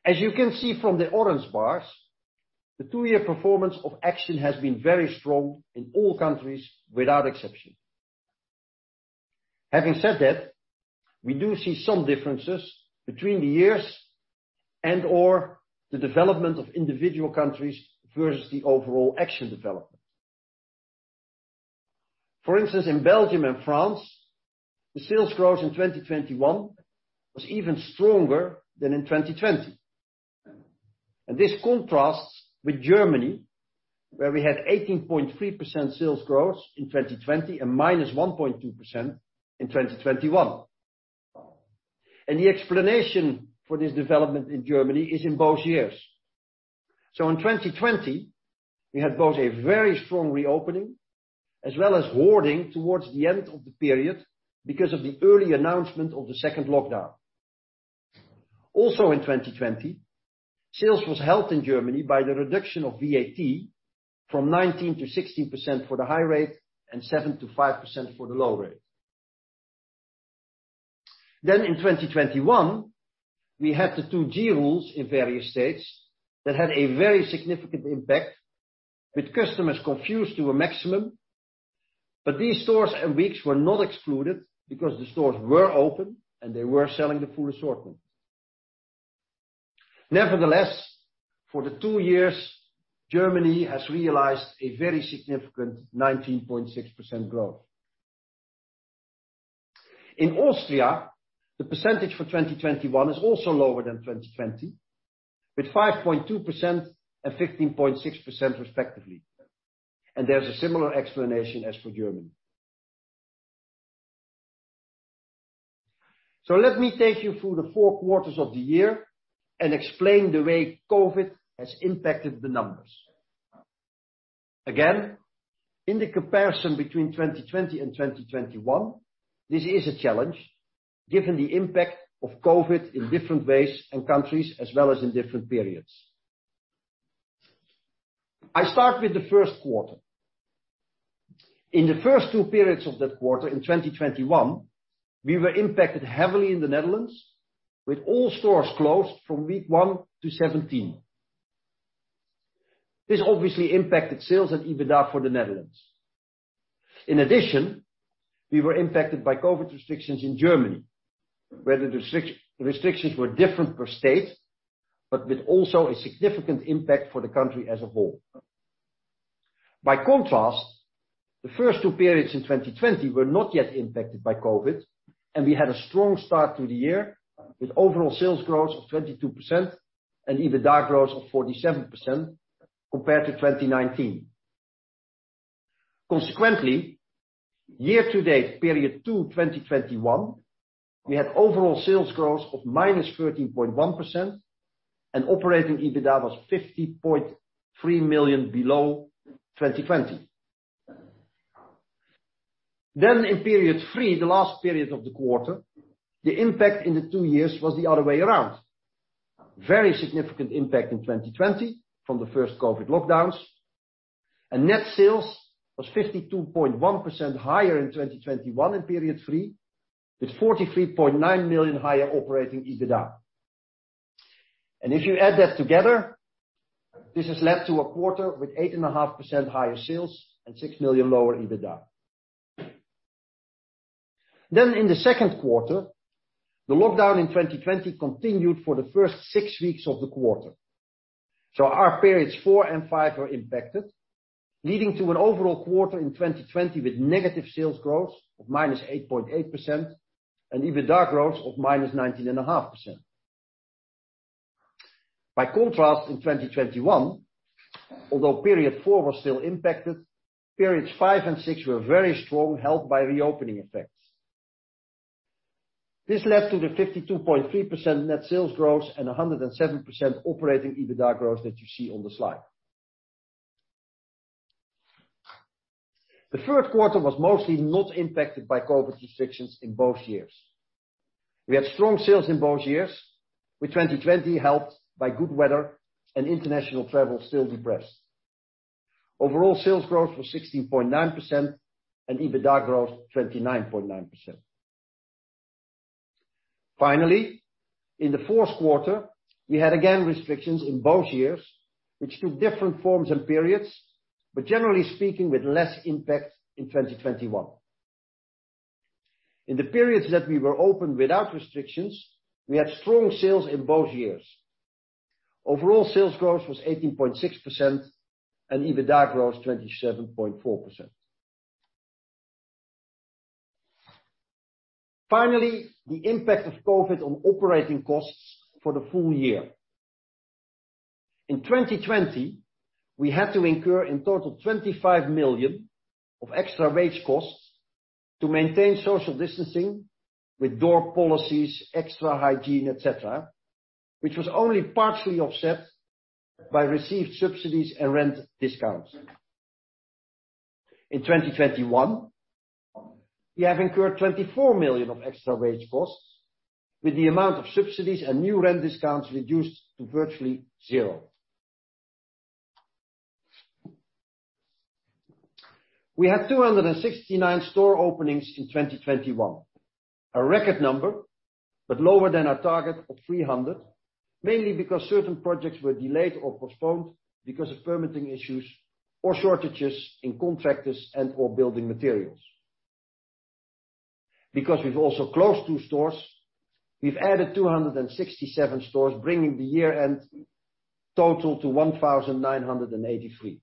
As you can see from the orange bars, the two-year performance of Action has been very strong in all countries without exception. Having said that, we do see some differences between the years and or the development of individual countries versus the overall Action development. For instance, in Belgium and France, the sales growth in 2021 was even stronger than in 2020. This contrasts with Germany, where we had 18.3% sales growth in 2020 and -1.2% in 2021. The explanation for this development in Germany is in both years. In 2020, we had both a very strong reopening as well as hoarding towards the end of the period because of the early announcement of the second lockdown. Also in 2020, sales was helped in Germany by the reduction of VAT from 19%-16% for the high rate and 7%-5% for the low rate. In 2021, we had the 2G rules in various states that had a very significant impact, with customers confused to a maximum. These stores and weeks were not excluded because the stores were open and they were selling the full assortment. Nevertheless, for the two years, Germany has realized a very significant 19.6% growth. In Austria, the percentage for 2021 is also lower than 2020, with 5.2% and 15.6% respectively. There's a similar explanation as for Germany. Let me take you through the four quarters of the year and explain the way COVID has impacted the numbers. Again, in the comparison between 2020 and 2021, this is a challenge given the impact of COVID in different ways and countries as well as in different periods. I start with the first quarter. In the first two periods of that quarter in 2021, we were impacted heavily in the Netherlands, with all stores closed from week one to 17. This obviously impacted sales and EBITDA for the Netherlands. In addition, we were impacted by COVID restrictions in Germany, where the restrictions were different per state, but with also a significant impact for the country as a whole. By contrast, the first two periods in 2020 were not yet impacted by COVID, and we had a strong start to the year with overall sales growth of 22% and EBITDA growth of 47% compared to 2019. Consequently, year-to-date period 2 2021, we had overall sales growth of -13.1% and operating EBITDA was 50.3 million below 2020. In period three, the last period of the quarter, the impact in the two years was the other way around. Very significant impact in 2020 from the first COVID lockdowns. Net sales was 52.1% higher in 2021 in period three, with 43.9 million higher operating EBITDA. If you add that together, this has led to a quarter with 8.5% higher sales and 6 million lower EBITDA. In the second quarter, the lockdown in 2020 continued for the first six weeks of the quarter. Our periods four and five were impacted, leading to an overall quarter in 2020 with negative sales growth of -8.8% and EBITDA growth of -19.5%. By contrast, in 2021, although period four was still impacted, periods five and six were very strong, helped by reopening effects. This led to the 52.3% net sales growth and a 107% operating EBITDA growth that you see on the slide. The third quarter was mostly not impacted by COVID restrictions in both years. We had strong sales in both years, with 2020 helped by good weather and international travel still depressed. Overall sales growth was 16.9% and EBITDA growth 29.9%. Finally, in the fourth quarter, we had again restrictions in both years, which took different forms and periods, but generally speaking with less impact in 2021. In the periods that we were open without restrictions, we had strong sales in both years. Overall sales growth was 18.6% and EBITDA growth 27.4%. Finally, the impact of COVID on operating costs for the full year. In 2020, we had to incur in total 25 million of extra wage costs to maintain social distancing with door policies, extra hygiene, et cetera, which was only partially offset by received subsidies and rent discounts. In 2021, we have incurred 24 million of extra wage costs with the amount of subsidies and new rent discounts reduced to virtually zero. We had 269 store openings in 2021. A record number, but lower than our target of 300, mainly because certain projects were delayed or postponed because of permitting issues or shortages in contractors and or building materials. Because we've also closed two stores, we've added 267 stores, bringing the year-end total to 1,983.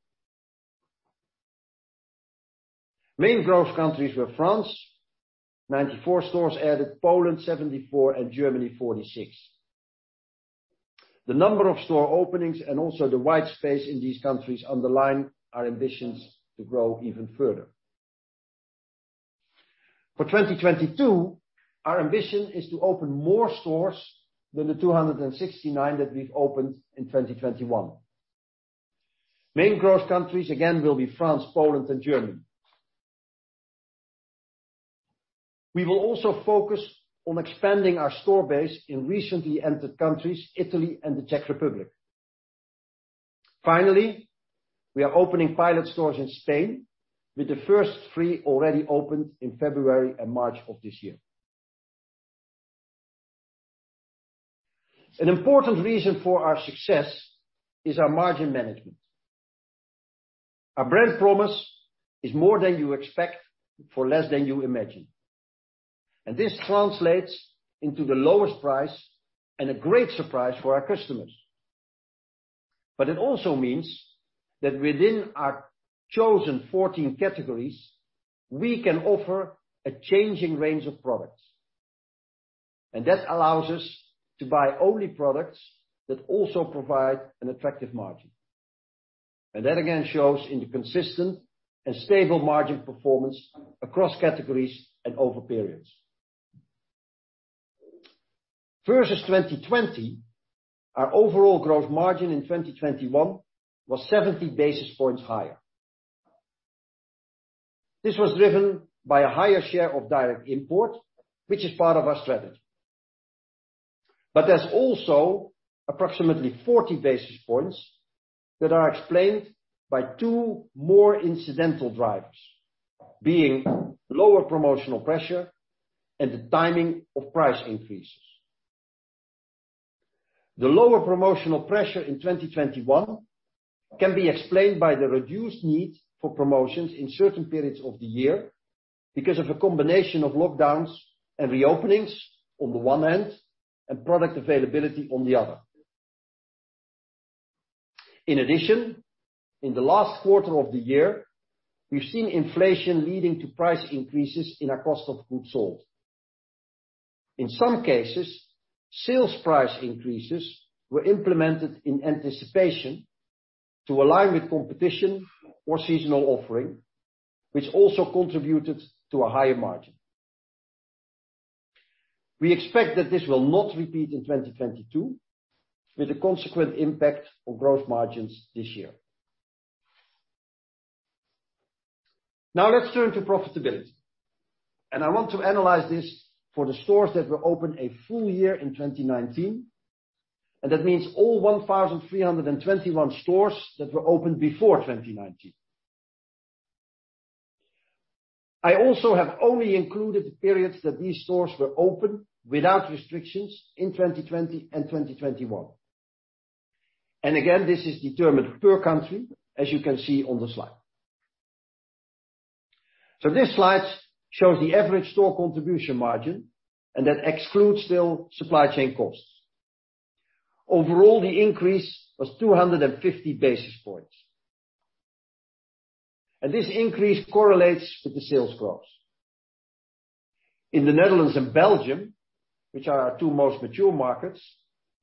Main growth countries were France, 94 stores added, Poland 74, and Germany 46. The number of store openings and also the white space in these countries underline our ambitions to grow even further. For 2022, our ambition is to open more stores than the 269 that we've opened in 2021. Main growth countries again will be France, Poland and Germany. We will also focus on expanding our store base in recently entered countries, Italy and the Czech Republic. Finally, we are opening pilot stores in Spain, with the first three already opened in February and March of this year. An important reason for our success is our margin management. Our brand promise is more than you expect for less than you imagine, and this translates into the lowest price and a great surprise for our customers. It also means that within our chosen 14 categories, we can offer a changing range of products, and that allows us to buy only products that also provide an attractive margin. That again shows in the consistent and stable margin performance across categories and over periods. Versus 2020, our overall growth margin in 2021 was 70 basis points higher. This was driven by a higher share of direct import, which is part of our strategy. There's also approximately 40 basis points that are explained by two more incidental drivers, being lower promotional pressure and the timing of price increases. The lower promotional pressure in 2021 can be explained by the reduced need for promotions in certain periods of the year because of a combination of lockdowns and reopenings on the one hand and product availability on the other. In addition, in the last quarter of the year, we've seen inflation leading to price increases in our cost of goods sold. In some cases, sales price increases were implemented in anticipation to align with competition or seasonal offering, which also contributed to a higher margin. We expect that this will not repeat in 2022, with a consequent impact on gross margins this year. Now let's turn to profitability, and I want to analyze this for the stores that were open a full year in 2019, and that means all 1,321 stores that were opened before 2019. I also have only included the periods that these stores were open without restrictions in 2020 and 2021. Again, this is determined per country as you can see on the slide. This slide shows the average store contribution margin and that excludes still supply chain costs. Overall, the increase was 250 basis points, and this increase correlates with the sales growth. In the Netherlands and Belgium, which are our two most mature markets,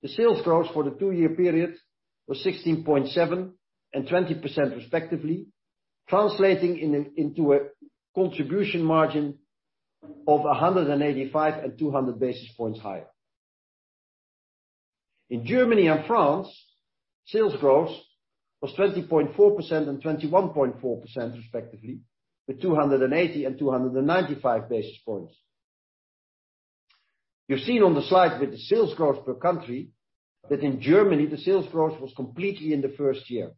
the sales growth for the two-year period was 16.7% and 20% respectively, translating into a contribution margin of 185 and 200 basis points higher. In Germany and France, sales growth was 20.4% and 21.4% respectively, with 280 and 295 basis points. You've seen on the slide with the sales growth per country that in Germany the sales growth was completely in the first year.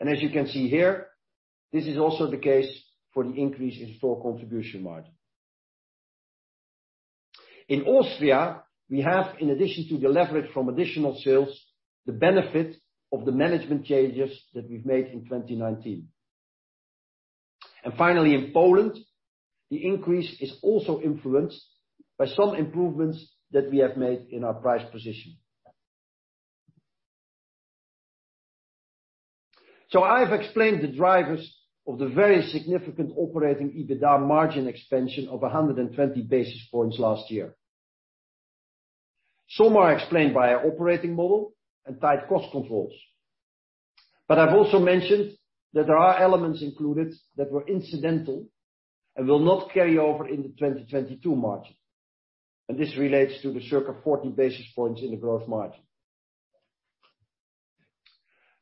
As you can see here, this is also the case for the increase in store contribution margin. In Austria, we have, in addition to the leverage from additional sales, the benefit of the management changes that we've made in 2019. Finally, in Poland, the increase is also influenced by some improvements that we have made in our price position. I've explained the drivers of the very significant operating EBITDA margin expansion of 120 basis points last year. Some are explained by our operating model and tight cost controls. I've also mentioned that there are elements included that were incidental and will not carry over in the 2022 margin. This relates to the circa 40 basis points in the gross margin.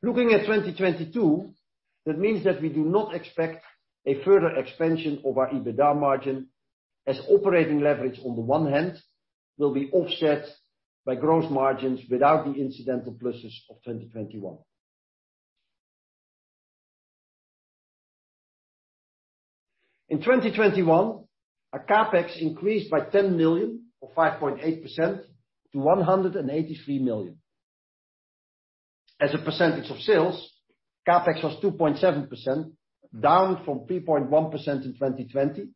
Looking at 2022, that means that we do not expect a further expansion of our EBITDA margin as operating leverage on the one hand will be offset by gross margins without the incidental pluses of 2021. In 2021, our CapEx increased by 10 million, or 5.8% to 183 million. As a percentage of sales, CapEx was 2.7%, down from 3.1% in 2020,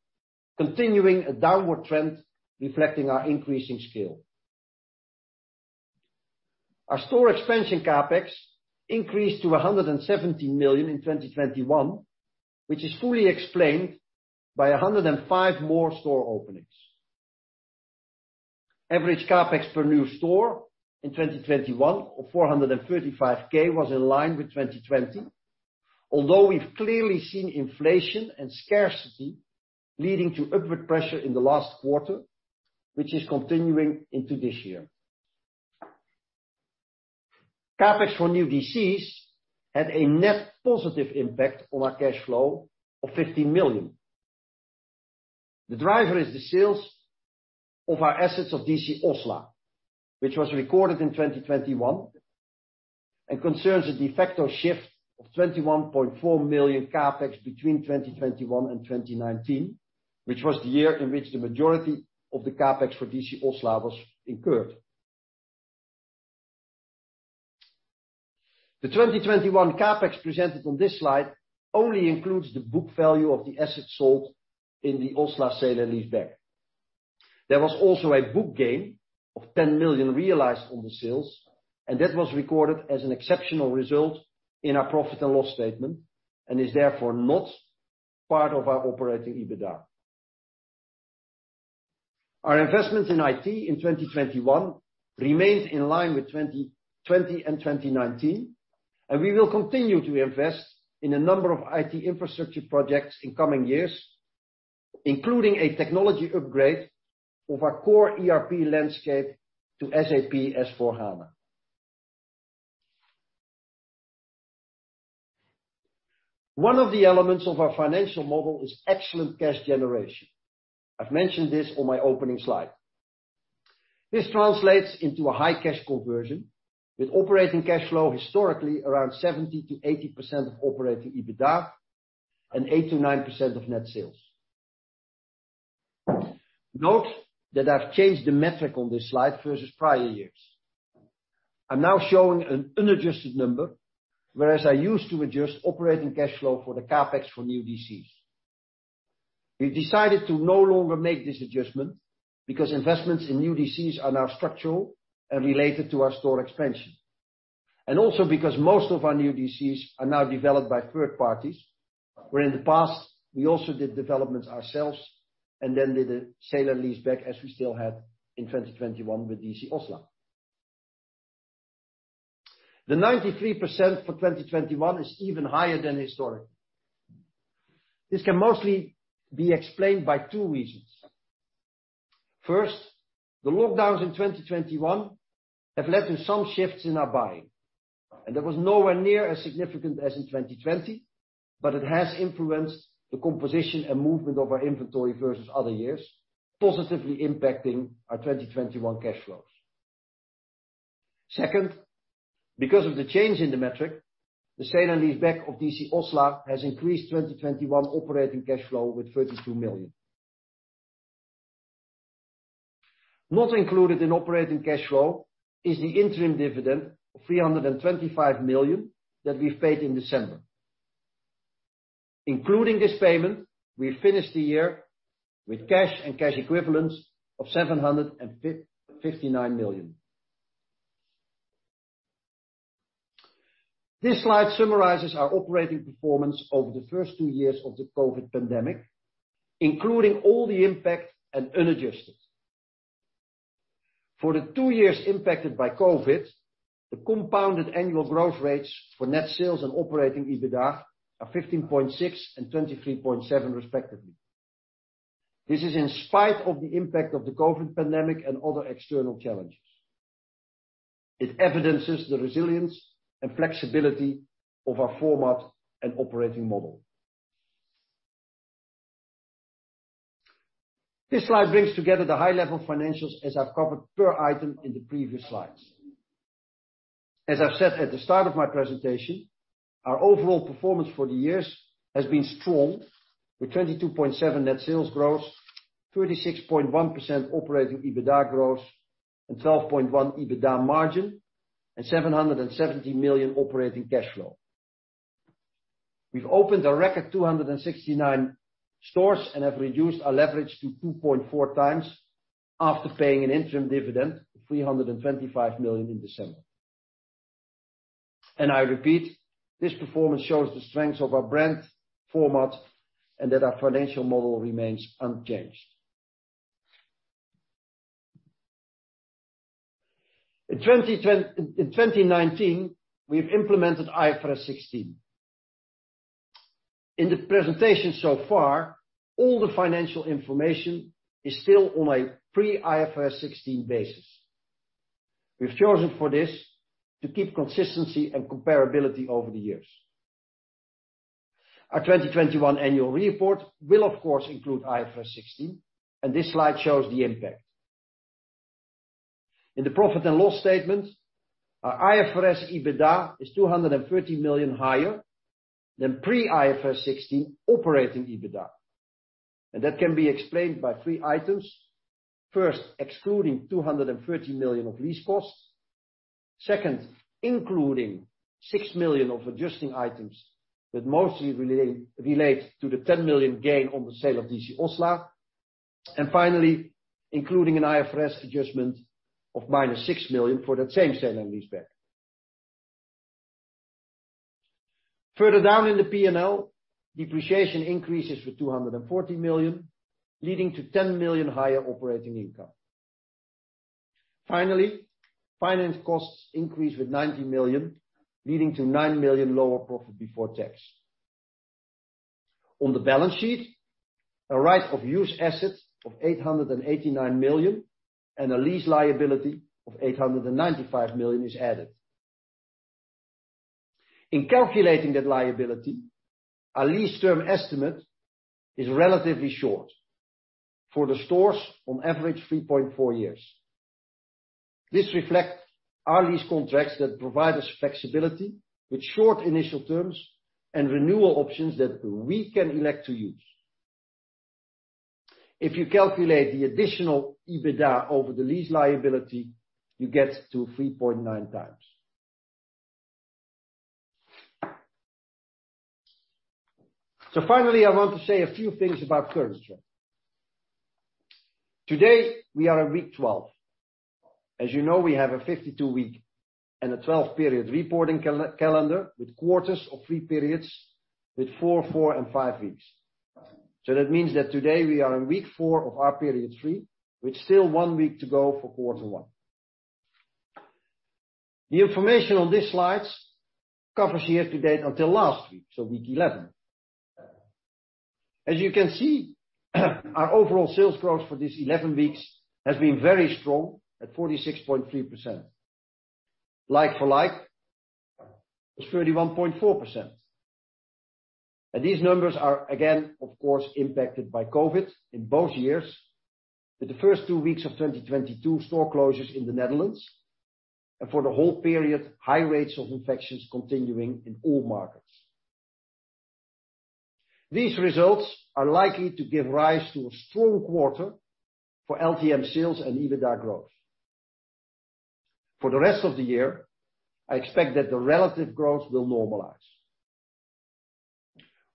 continuing a downward trend reflecting our increasing scale. Our store expansion CapEx increased to 170 million in 2021, which is fully explained by 105 more store openings. Average CapEx per new store in 2021 of 435K was in line with 2020. Although we've clearly seen inflation and scarcity leading to upward pressure in the last quarter, which is continuing into this year. CapEx for new DCs had a net positive impact on our cash flow of 15 million. The driver is the sales of our assets of DC Ossola, which was recorded in 2021 and concerns the de facto shift of 21.4 million CapEx between 2021 and 2019, which was the year in which the majority of the CapEx for DC Ossla was incurred. The 2021 CapEx presented on this slide only includes the book value of the assets sold in the Ossola and leaseback. There was also a book gain of 10 million realized on the sales, and that was recorded as an exceptional result in our profit and loss statement, and is therefore not part of our operating EBITDA. Our investment in IT in 2021 remains in line with 2020 and 2019, and we will continue to invest in a number of IT infrastructure projects in coming years, including a technology upgrade of our core ERP landscape to SAP S/4HANA. One of the elements of our financial model is excellent cash generation. I've mentioned this on my opening slide. This translates into a high cash conversion, with operating cash flow historically around 70%-80% of operating EBITDA and 8%-9% of net sales. Note that I've changed the metric on this slide versus prior years. I'm now showing an unadjusted number, whereas I used to adjust operating cash flow for the CapEx for new DCs. We've decided to no longer make this adjustment because investments in new DCs are now structural and related to our store expansion. Also because most of our new DCs are now developed by third parties, where in the past, we also did developments ourselves and then did a sale and leaseback as we still had in 2021 with DC Oss. The 93% for 2021 is even higher than historically. This can mostly be explained by two reasons. First, the lockdowns in 2021 have led to some shifts in our buying, and that was nowhere near as significant as in 2020, but it has influenced the composition and movement of our inventory versus other years, positively impacting our 2021 cash flows. Second, because of the change in the metric, the sale and leaseback of DC Oss has increased 2021 operating cash flow with 32 million. Not included in operating cash flow is the interim dividend of 325 million that we've paid in December. Including this payment, we finished the year with cash and cash equivalents of 759 million. This slide summarizes our operating performance over the first two years of the COVID pandemic, including all the impact and unadjusted. For the two years impacted by COVID, the compounded annual growth rates for net sales and operating EBITDA are 15.6% and 23.7% respectively. This is in spite of the impact of the COVID pandemic and other external challenges. It evidences the resilience and flexibility of our format and operating model. This slide brings together the high-level financials as I've covered per item in the previous slides. As I've said at the start of my presentation, our overall performance for the years has been strong with 22.7% net sales growth, 36.1% operating EBITDA growth, and 12.1% EBITDA margin, and 770 million operating cash flow. We've opened a record 269 stores and have reduced our leverage to 2.4x after paying an interim dividend of 325 million in December. I repeat, this performance shows the strength of our brand format and that our financial model remains unchanged. In 2019, we've implemented IFRS 16. In the presentation so far, all the financial information is still on a pre-IFRS 16 basis. We've chosen for this to keep consistency and comparability over the years. Our 2021 annual report will of course include IFRS 16, and this slide shows the impact. In the profit and loss statement, our IFRS EBITDA is 230 million higher than pre-IFRS 16 operating EBITDA. That can be explained by three items. First, excluding 230 million of lease costs. Second, including 6 million of adjusting items that mostly relate to the 10 million gain on the sale of DC Oss. Finally, including an IFRS adjustment of -6 million for that same sale and leaseback. Further down in the P&L, depreciation increases with 240 million, leading to 10 million higher operating income. Finally, finance costs increase with 90 million, leading to 9 million lower profit before tax. On the balance sheet, a right of use asset of 889 million and a lease liability of 895 million is added. In calculating that liability, our lease term estimate is relatively short, for the stores on average 3.4 years. This reflects our lease contracts that provide us flexibility with short initial terms and renewal options that we can elect to use. If you calculate the additional EBITDA over the lease liability, you get to 3.9x. Finally, I want to say a few things about currency. Today, we are in week 12. As you know, we have a 52-week and a 12-period reporting calendar, with quarters of three periods, with four, and five weeks. That means that today we are in week four of our period three, with still one week to go for quarter one. The information on these slides covers year to date until last week, so week 11. As you can see, our overall sales growth for these 11 weeks has been very strong at 46.3%. Like for like was 31.4%. These numbers are again, of course, impacted by COVID in both years with the first two weeks of 2022 store closures in the Netherlands and for the whole period, high rates of infections continuing in all markets. These results are likely to give rise to a strong quarter for LTM sales and EBITDA growth. For the rest of the year, I expect that the relative growth will normalize.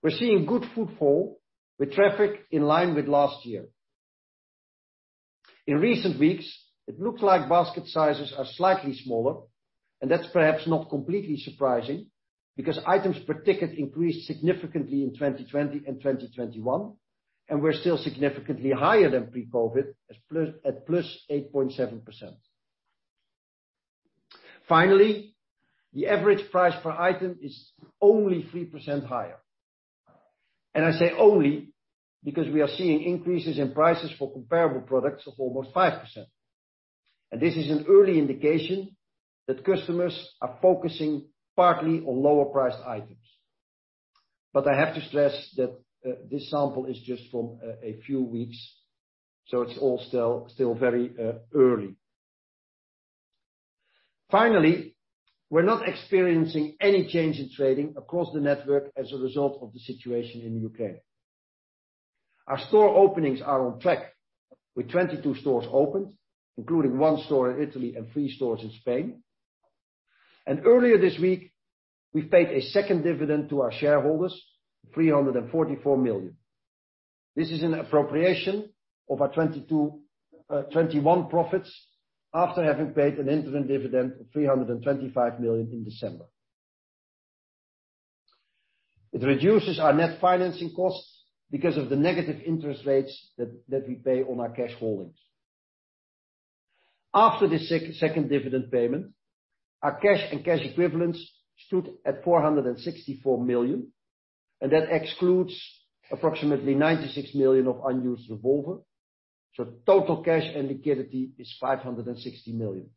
We're seeing good footfall with traffic in line with last year. In recent weeks, it looks like basket sizes are slightly smaller, and that's perhaps not completely surprising because items per ticket increased significantly in 2020 and 2021, and we're still significantly higher than pre-COVID at +8.7%. Finally, the average price per item is only 3% higher. I say only because we are seeing increases in prices for comparable products of almost 5%. This is an early indication that customers are focusing partly on lower priced items. I have to stress that this sample is just from a few weeks, so it's all still very early. Finally, we're not experiencing any change in trading across the network as a result of the situation in Ukraine. Our store openings are on track with 22 stores opened, including one store in Italy and three stores in Spain. Earlier this week, we paid a second dividend to our shareholders, 344 million. This is an appropriation of our 2022, 2021 profits after having paid an interim dividend of 325 million in December. It reduces our net financing costs because of the negative interest rates that we pay on our cash holdings. After the second dividend payment, our cash and cash equivalents stood at 464 million, and that excludes approximately 96 million of unused revolver. Total cash and liquidity is 560 million.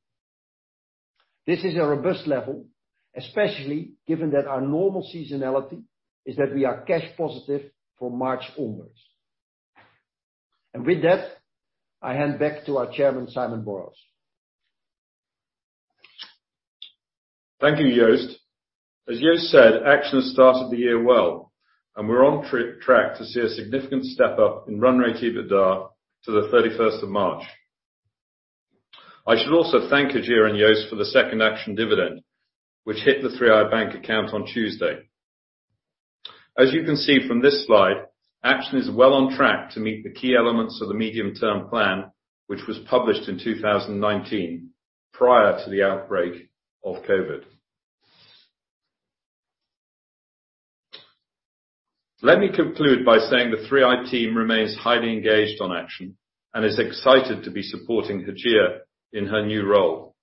This is a robust level, especially given that our normal seasonality is that we are cash positive from March onwards. With that, I hand back to our chairman, Simon Borrows. Thank you, Joost. As Joost said, Action has started the year well, and we're on track to see a significant step-up in run rate EBITDA to the 31st of March. I should also thank Hajir and Joost for the second Action dividend, which hit the 3i bank account on Tuesday. As you can see from this slide, Action is well on track to meet the key elements of the medium-term plan, which was published in 2019, prior to the outbreak of COVID. Let me conclude by saying the 3i team remains highly engaged on Action and is excited to be supporting Hajir in her new role.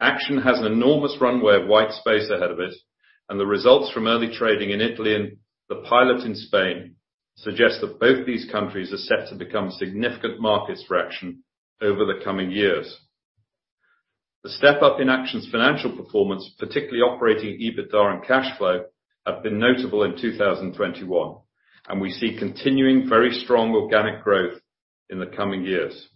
Action has an enormous runway of white space ahead of it, and the results from early trading in Italy and the pilot in Spain suggest that both these countries are set to become significant markets for Action over the coming years. The step up in Action's financial performance, particularly operating EBITDA and cash flow, have been notable in 2021, and we see continuing very strong organic growth in the coming years.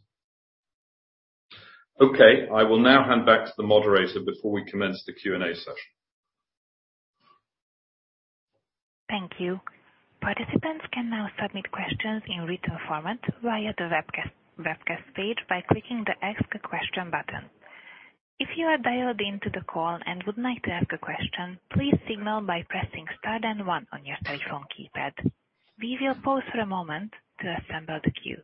Okay, I will now hand back to the moderator before we commence the Q&A session. Thank you. Participants can now submit questions in written format via the webcast page by clicking the Ask a Question button. If you are dialed in to the call and would like to ask a question, please signal by pressing star then one on your telephone keypad. We will pause for a moment to assemble the queue.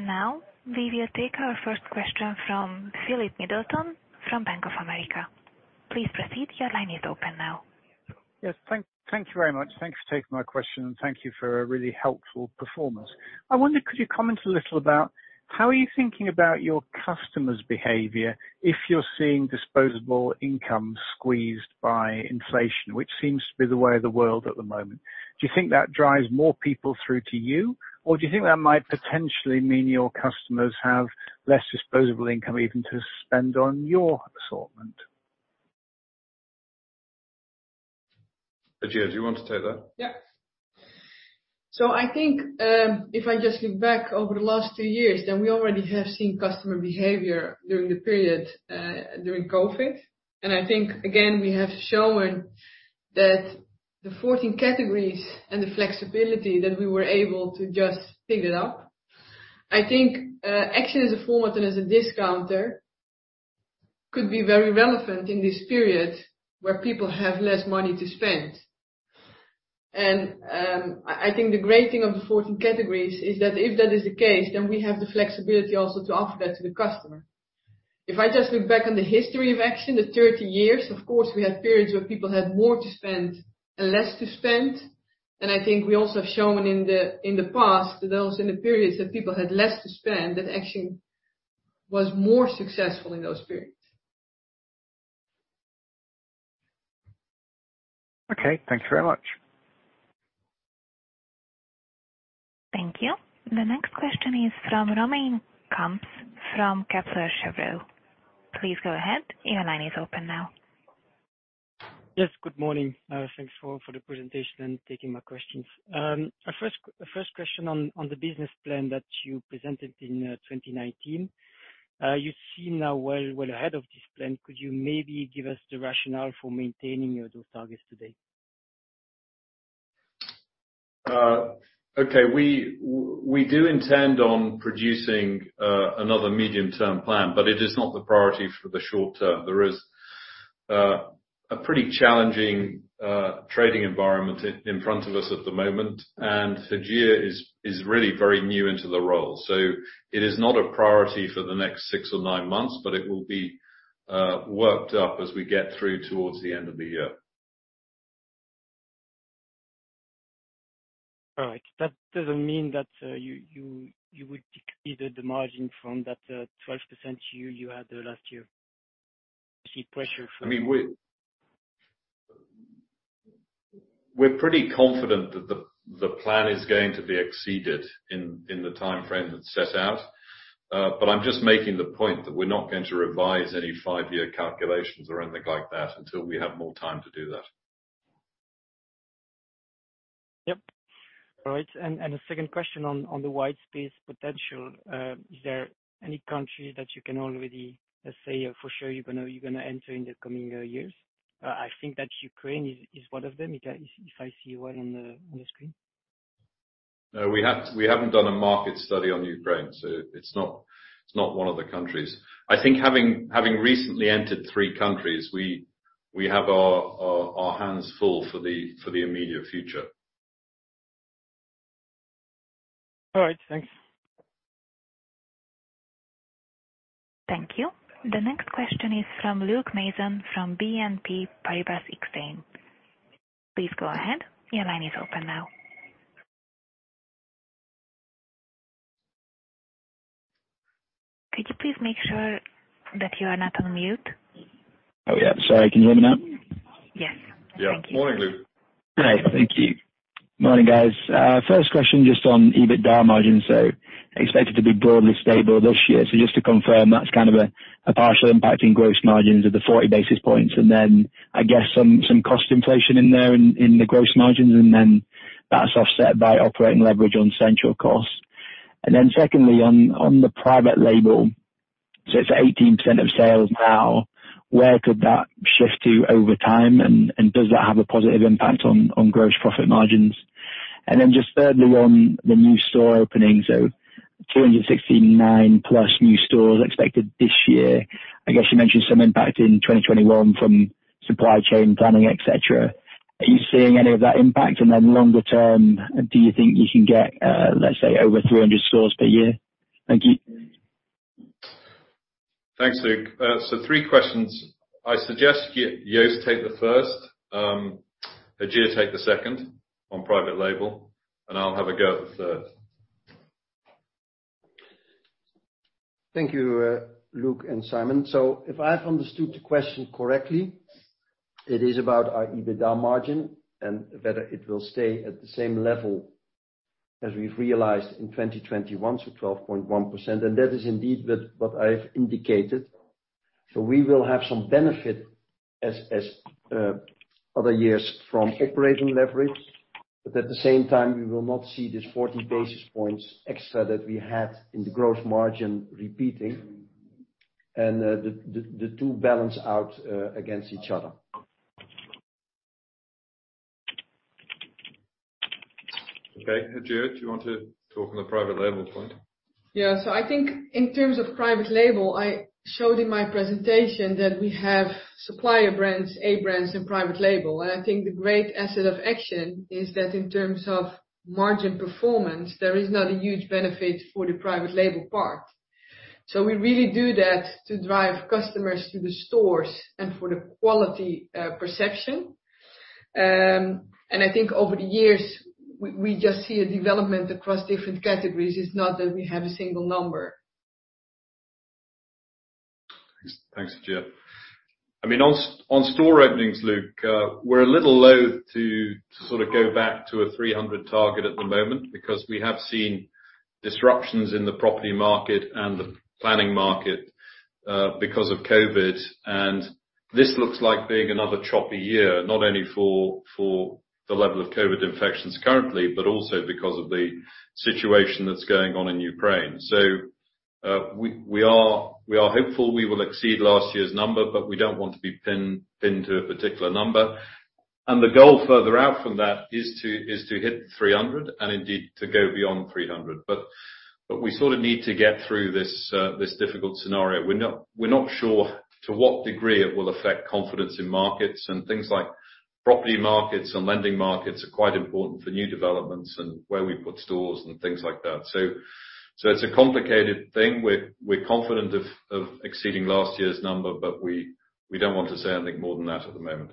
Now we will take our first question from Philip Middleton from Bank of America. Please proceed. Your line is open now. Yes. Thank you very much. Thanks for taking my question, and thank you for a really helpful performance. I wonder, could you comment a little about how are you thinking about your customers' behavior if you're seeing disposable income squeezed by inflation, which seems to be the way of the world at the moment? Do you think that drives more people through to you, or do you think that might potentially mean your customers have less disposable income even to spend on your assortment? Hajir, do you want to take that? I think if I just look back over the last two years, we already have seen customer behavior during the period during COVID. I think again, we have shown that the 14 categories and the flexibility that we were able to just pick it up. I think actually as a format and as a discounter could be very relevant in this period where people have less money to spend. I think the great thing of the 14 categories is that if that is the case, then we have the flexibility also to offer that to the customer. If I just look back on the history of Action, the 30 years, of course, we had periods where people had more to spend and less to spend. I think we also have shown in the past those in the periods that people had less to spend, that Action was more successful in those periods. Okay. Thank you very much. Thank you. The next question is from Romain Kumps from Kepler Cheuvreux. Please go ahead. Your line is open now. Yes. Good morning. Thanks for the presentation and taking my questions. Our first question on the business plan that you presented in 2019. You seem now well ahead of this plan, could you maybe give us the rationale for maintaining those targets today? Okay. We do intend on producing another medium-term plan, but it is not the priority for the short term. There is a pretty challenging trading environment in front of us at the moment, and Hajir Hajji is really very new into the role. It is not a priority for the next six or nine months, but it will be worked up as we get through towards the end of the year. All right. That doesn't mean that you would decrease the margin from that 12% you had last year? I see pressure from. I mean, we're pretty confident that the plan is going to be exceeded in the timeframe that's set out. I'm just making the point that we're not going to revise any five-year calculations or anything like that until we have more time to do that. Yep. All right. A second question on the white space potential. Is there any country that you can already, let's say, for sure you're gonna enter in the coming years? I think that Ukraine is one of them, if I see well on the screen. No. We haven't done a market study on Ukraine, so it's not one of the countries. I think having recently entered three countries, we have our hands full for the immediate future. All right. Thanks. Thank you. The next question is from Luke Mason from BNP Paribas Exane. Please go ahead. Your line is open now. Could you please make sure that you are not on mute? Oh, yeah. Sorry. Can you hear me now? Yes. Yeah. Morning, Luke. Hi. Thank you. Morning, guys. First question just on EBITDA margin expected to be broadly stable this year. Just to confirm, that's kind of a partial impact in gross margins of the 40 basis points, and then I guess some cost inflation in there in the gross margins, and then that's offset by operating leverage on central costs. Then secondly, on the private label. It's 18% of sales now, where could that shift to over time? And does that have a positive impact on gross profit margins? Then just thirdly, on the new store openings. 369+ new stores expected this year. I guess you mentioned some impact in 2021 from supply chain planning, et cetera. Are you seeing any of that impact? Longer term, do you think you can get, let's say, over 300 stores per year? Thank you. Thanks, Luke. Three questions. I suggest Joost take the first, Hajir take the second on private label, and I'll have a go at the third. Thank you, Luke and Simon. If I've understood the question correctly, it is about our EBITDA margin and whether it will stay at the same level as we've realized in 2021, so 12.1%, and that is indeed what I've indicated. We will have some benefit as in other years from operating leverage. At the same time, we will not see this 40 basis points extra that we had in the gross margin repeating and the two balance out against each other. Okay. Hajir, do you want to talk on the private label point? Yeah. I think in terms of private label, I showed in my presentation that we have supplier brands, A brands and private label. I think the great asset of Action is that in terms of margin performance, there is not a huge benefit for the private label part. We really do that to drive customers to the stores and for the quality perception. I think over the years, we just see a development across different categories. It's not that we have a single number. Thanks, Hajir. I mean, on store openings, Luke, we're a little loath to sort of go back to a 300 target at the moment because we have seen disruptions in the property market and the planning market because of COVID. This looks like being another choppy year, not only for the level of COVID infections currently, but also because of the situation that's going on in Ukraine. We are hopeful we will exceed last year's number, but we don't want to be pinned to a particular number. The goal further out from that is to hit 300 and indeed to go beyond 300. We sort of need to get through this difficult scenario. We're not sure to what degree it will affect confidence in markets. Things like property markets and lending markets are quite important for new developments and where we put stores and things like that. It's a complicated thing. We're confident of exceeding last year's number, but we don't want to say anything more than that at the moment.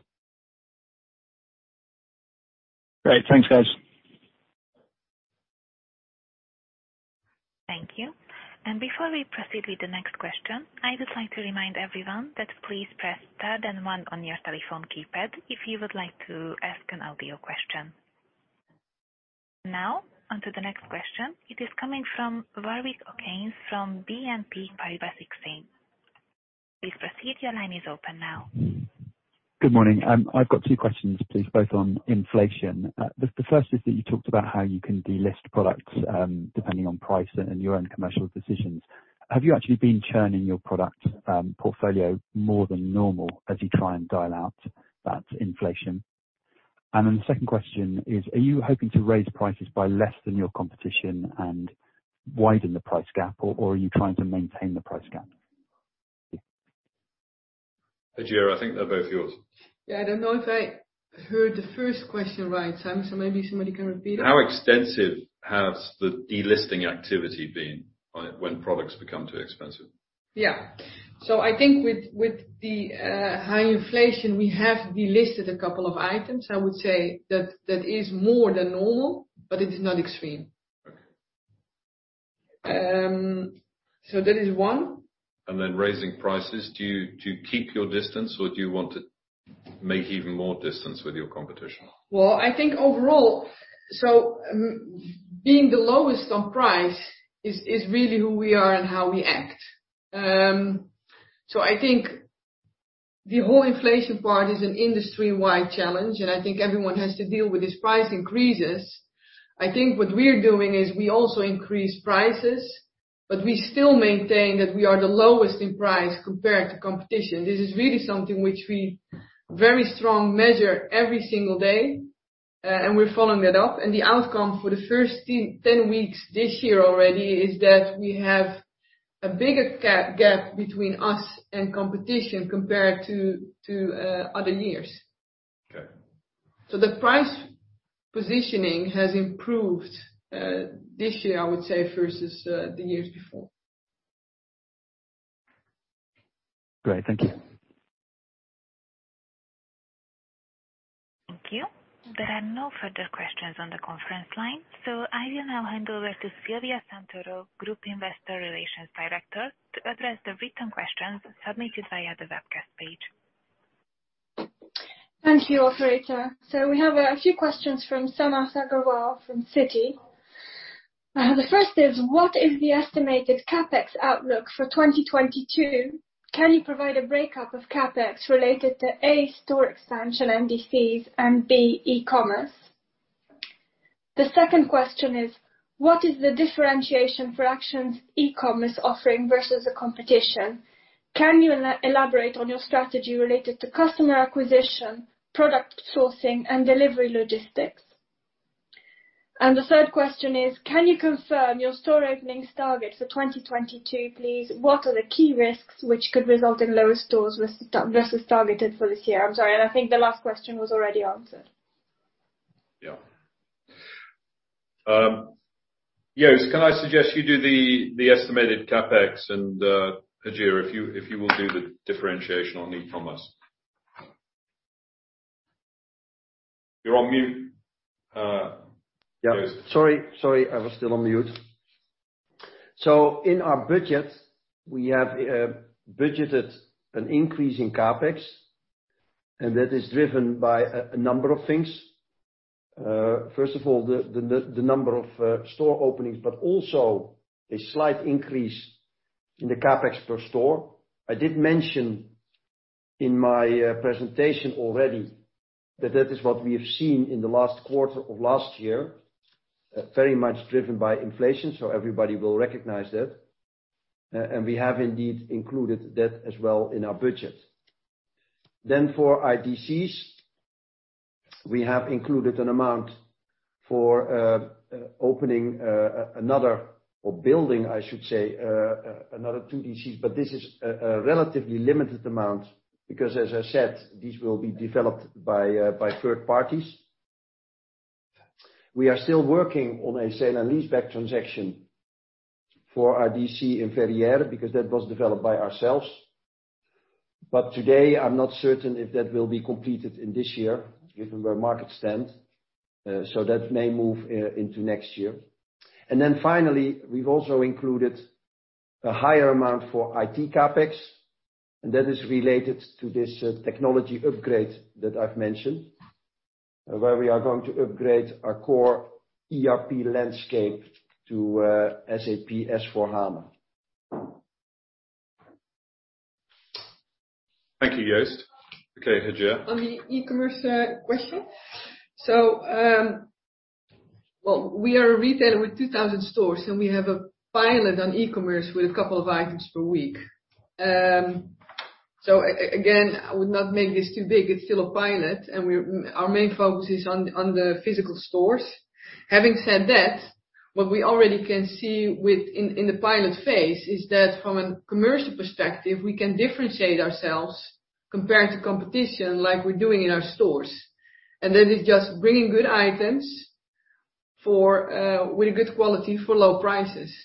Great. Thanks, guys. Thank you. Before we proceed with the next question, I would like to remind everyone that please press star then one on your telephone keypad if you would like to ask an audio question. Now on to the next question. It is coming from Warwick Okines from BNP Paribas Exane. Please proceed. Your line is open now. Good morning. I've got two questions, please, both on inflation. The first is that you talked about how you can delist products, depending on price and your own commercial decisions. Have you actually been churning your product portfolio more than normal as you try and dial out that inflation? Then the second question is, are you hoping to raise prices by less than your competition and widen the price gap, or are you trying to maintain the price gap? Hajir, I think they're both yours. Yeah. I don't know if I heard the first question right, so maybe somebody can repeat it. How extensive has the delisting activity been on it when products become too expensive? Yeah. I think with the high inflation, we have delisted a couple of items. I would say that is more than normal, but it is not extreme. Okay. That is one. Raising prices. Do you keep your distance or do you want to make even more distance with your competition? Well, I think overall, being the lowest on price is really who we are and how we act. I think the whole inflation part is an industry-wide challenge, and I think everyone has to deal with these price increases. I think what we're doing is we also increase prices, but we still maintain that we are the lowest in price compared to competition. This is really something which we very strongly measure every single day, and we're following that up. The outcome for the first 10 weeks this year already is that we have a bigger gap between us and competition compared to other years. Okay. The price positioning has improved this year, I would say, versus the years before. Great. Thank you. Thank you. There are no further questions on the conference line. I will now hand over to Silvia Santoro, Group Investor Relations Director, to address the written questions submitted via the webcast page. Thank you, Operator. We have a few questions from Samarth Agrawal from Citi. The first is, what is the estimated CapEx outlook for 2022? Can you provide a breakdown of CapEx related to, A, store expansion, NDCs and, B, e-commerce? The second question is, what is the differentiation for Action's e-commerce offering versus the competition? Can you elaborate on your strategy related to customer acquisition, product sourcing and delivery logistics? The third question is, can you confirm your store openings target for 2022, please? What are the key risks which could result in lower stores versus targeted for this year? I'm sorry, and I think the last question was already answered. Yeah. Joost, can I suggest you do the estimated CapEx and, Hajir, if you will do the differentiation on e-commerce. You're on mute, Joost. Sorry, I was still on mute. In our budget, we have budgeted an increase in CapEx, and that is driven by a number of things. First of all, the number of store openings, but also a slight increase in the CapEx per store. I did mention in my presentation already, that that is what we have seen in the last quarter of last year, very much driven by inflation, so everybody will recognize that. We have indeed included that as well in our budget. For IDCs, we have included an amount for opening another, or building, I should say, another 2 DCs, but this is a relatively limited amount because as I said, these will be developed by third parties. We are still working on a sale and leaseback transaction for our DC in Verrières-en-Anjou because that was developed by ourselves. Today, I'm not certain if that will be completed in this year given where market stands, so that may move into next year. Finally, we've also included a higher amount for IT CapEx, and that is related to this technology upgrade that I've mentioned, where we are going to upgrade our core ERP landscape to SAP S/4HANA. Thank you, Joost. Okay, Hajir. On the e-commerce question. Well, we are a retailer with 2000 stores, and we have a pilot on e-commerce with a couple of items per week. Again, I would not make this too big, it's still a pilot, and our main focus is on the physical stores. Having said that, what we already can see within the pilot phase is that from a commercial perspective, we can differentiate ourselves compared to competition like we're doing in our stores. That is just bringing good items with good quality for low prices.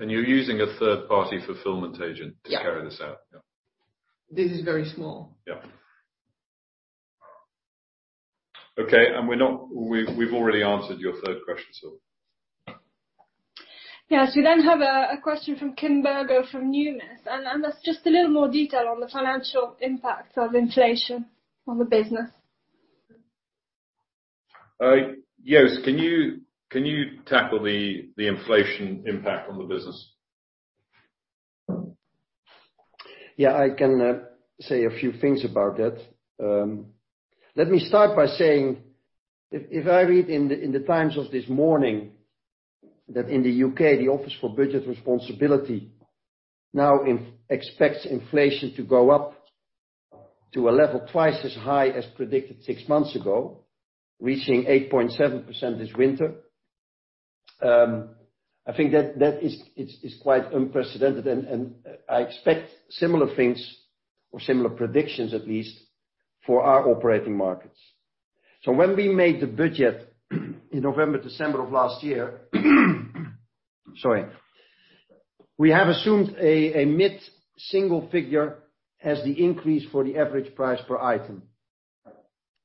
You're using a third-party fulfillment agent. Yeah. to carry this out? Yeah. This is very small. Yeah. Okay, we've already answered your third question, so. Yes. We then have a question from Kim Berger from Numis, and that's just a little more detail on the financial impacts of inflation on the business. Joost, can you tackle the inflation impact on the business? Yeah, I can say a few things about that. Let me start by saying if I read in The Times of this morning that in the U.K., the Office for Budget Responsibility now expects inflation to go up to a level twice as high as predicted six months ago, reaching 8.7% this winter, I think that is quite unprecedented, and I expect similar things or similar predictions at least for our operating markets. When we made the budget in November, December of last year, sorry, we have assumed a mid-single figure as the increase for the average price per item.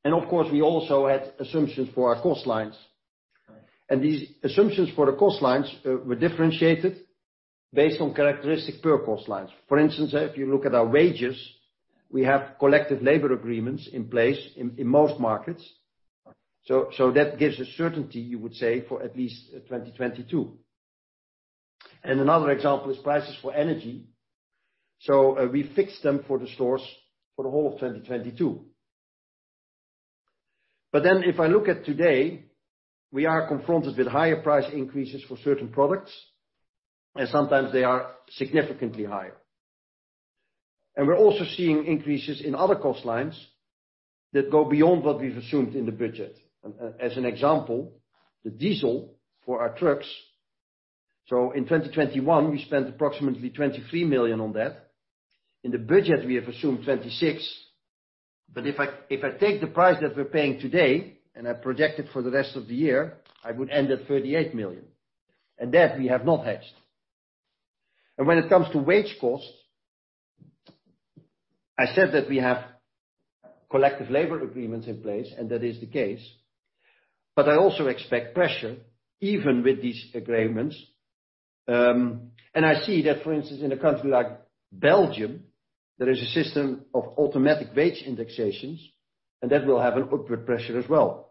Of course, we also had assumptions for our cost lines. These assumptions for the cost lines were differentiated based on characteristic per cost lines. For instance, if you look at our wages, we have collective labor agreements in place in most markets. That gives a certainty, you would say, for at least 2022. Another example is prices for energy. We fixed them for the stores for the whole of 2022. If I look at today, we are confronted with higher price increases for certain products, and sometimes they are significantly higher. We're also seeing increases in other cost lines that go beyond what we've assumed in the budget. As an example, the diesel for our trucks. In 2021, we spent approximately 23 million on that. In the budget, we have assumed 26. If I take the price that we're paying today, and I project it for the rest of the year, I would end at 38 million. That we have not hedged. When it comes to wage costs, I said that we have collective labor agreements in place, and that is the case. I also expect pressure even with these agreements. I see that, for instance, in a country like Belgium, there is a system of automatic wage indexations, and that will have an upward pressure as well.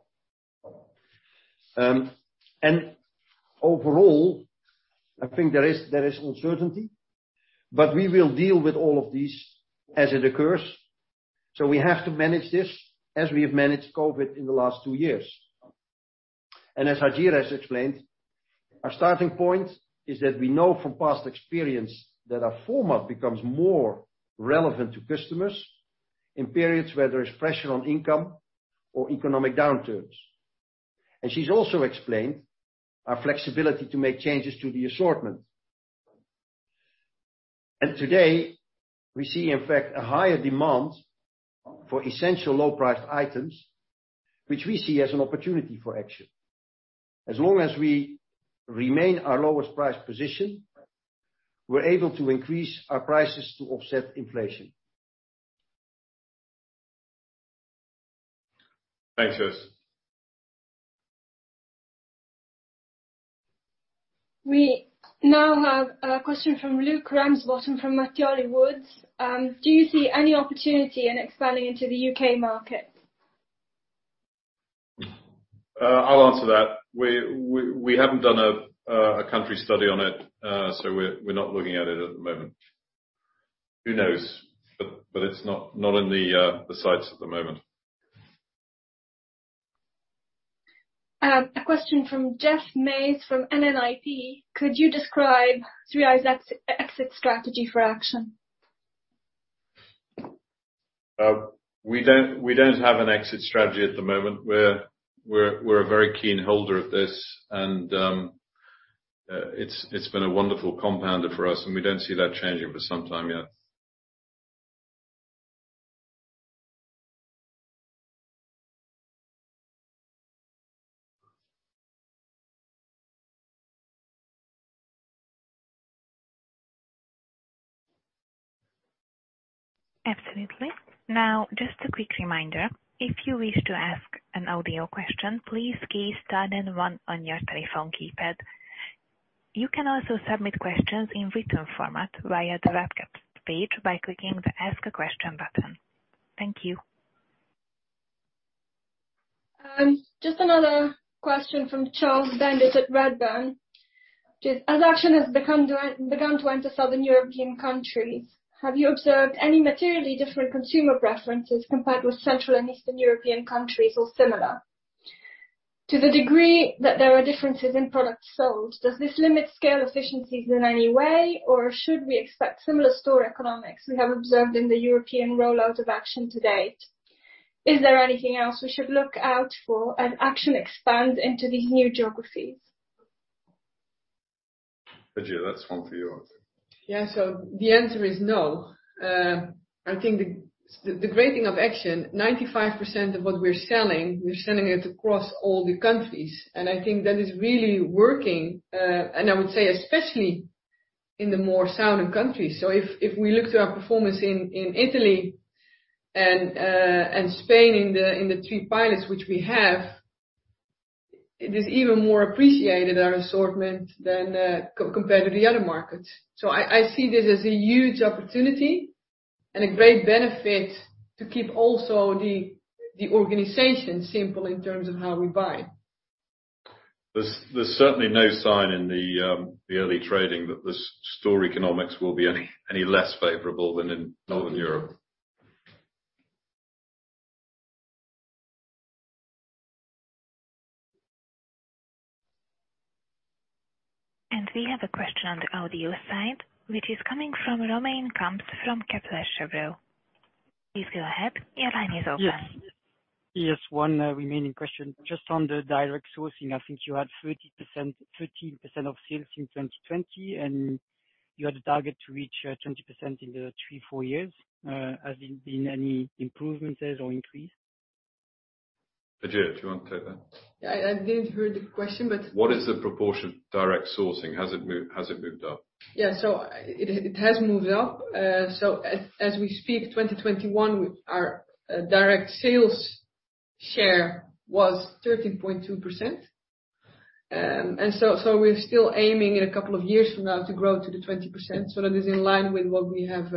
Overall, I think there is uncertainty, but we will deal with all of these as it occurs. We have to manage this as we have managed COVID in the last two years. As Hajir has explained, our starting point is that we know from past experience that our format becomes more relevant to customers in periods where there is pressure on income or economic downturns. She's also explained our flexibility to make changes to the assortment. Today, we see, in fact, a higher demand for essential low-priced items, which we see as an opportunity for Action. As long as we remain our lowest price position, we're able to increase our prices to offset inflation. Thanks, Joost. We now have a question from Luke Ramsbottom from Mattioli Woods. Do you see any opportunity in expanding into the U.K. market? I'll answer that. We haven't done a country study on it, so we're not looking at it at the moment. Who knows? But it's not in the sights at the moment. A question from Jeff Meys from NNIP. Could you describe 3i's exit strategy for Action? We don't have an exit strategy at the moment. We're a very keen holder of this and, it's been a wonderful compounder for us, and we don't see that changing for some time yet. Absolutely. Now, just a quick reminder, if you wish to ask an audio question, please key star then one on your telephone keypad. You can also submit questions in written format via the webcast page by clicking the Ask a Question button. Thank you. Just another question from Charles Bendit at Redburn. Just as Action has begun to enter Southern European countries, have you observed any materially different consumer preferences compared with Central and Eastern European countries or similar? To the degree that there are differences in products sold, does this limit scale efficiencies in any way, or should we expect similar store economics we have observed in the European rollout of Action to date? Is there anything else we should look out for as Action expands into these new geographies? Hajir, that's one for you, I think. Yeah. The answer is no. I think the great thing of Action, 95% of what we're selling, we're selling it across all the countries. I think that is really working, and I would say especially in the more southern countries. If we look to our performance in Italy and Spain in the three pilots which we have, it is even more appreciated, our assortment, than compared to the other markets. I see this as a huge opportunity and a great benefit to keep also the organization simple in terms of how we buy. There's certainly no sign in the early trading that the store economics will be any less favorable than in Northern Europe. We have a question on the audio side, which is coming from Romain Kumps from Kepler Cheuvreux. Please go ahead. Your line is open. Yes. Yes, one remaining question. Just on the direct sourcing, I think you had 13% of sales in 2020, and you had a target to reach 20% in the three-four years. Has it been any improvements there or increase? Hajir, do you wanna take that? Yeah, I didn't hear the question, but. What is the proportion of direct sourcing? Has it moved up? Yeah. It has moved up. As we speak, 2021, our direct sales share was 13.2%. We're still aiming in a couple of years from now to grow to the 20%. That is in line with what we have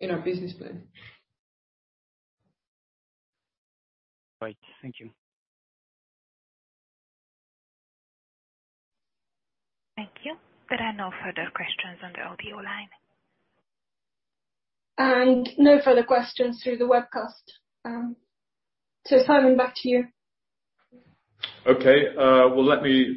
in our business plan. Great. Thank you. Thank you. There are no further questions on the audio line. No further questions through the webcast. Simon, back to you. Okay. Well, let me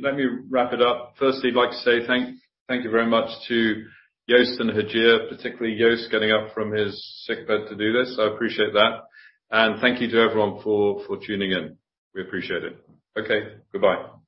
wrap it up. Firstly, I'd like to say thank you very much to Joost and Hajir Hajji, particularly Joost getting up from his sick bed to do this. I appreciate that. Thank you to everyone for tuning in. We appreciate it. Okay, goodbye.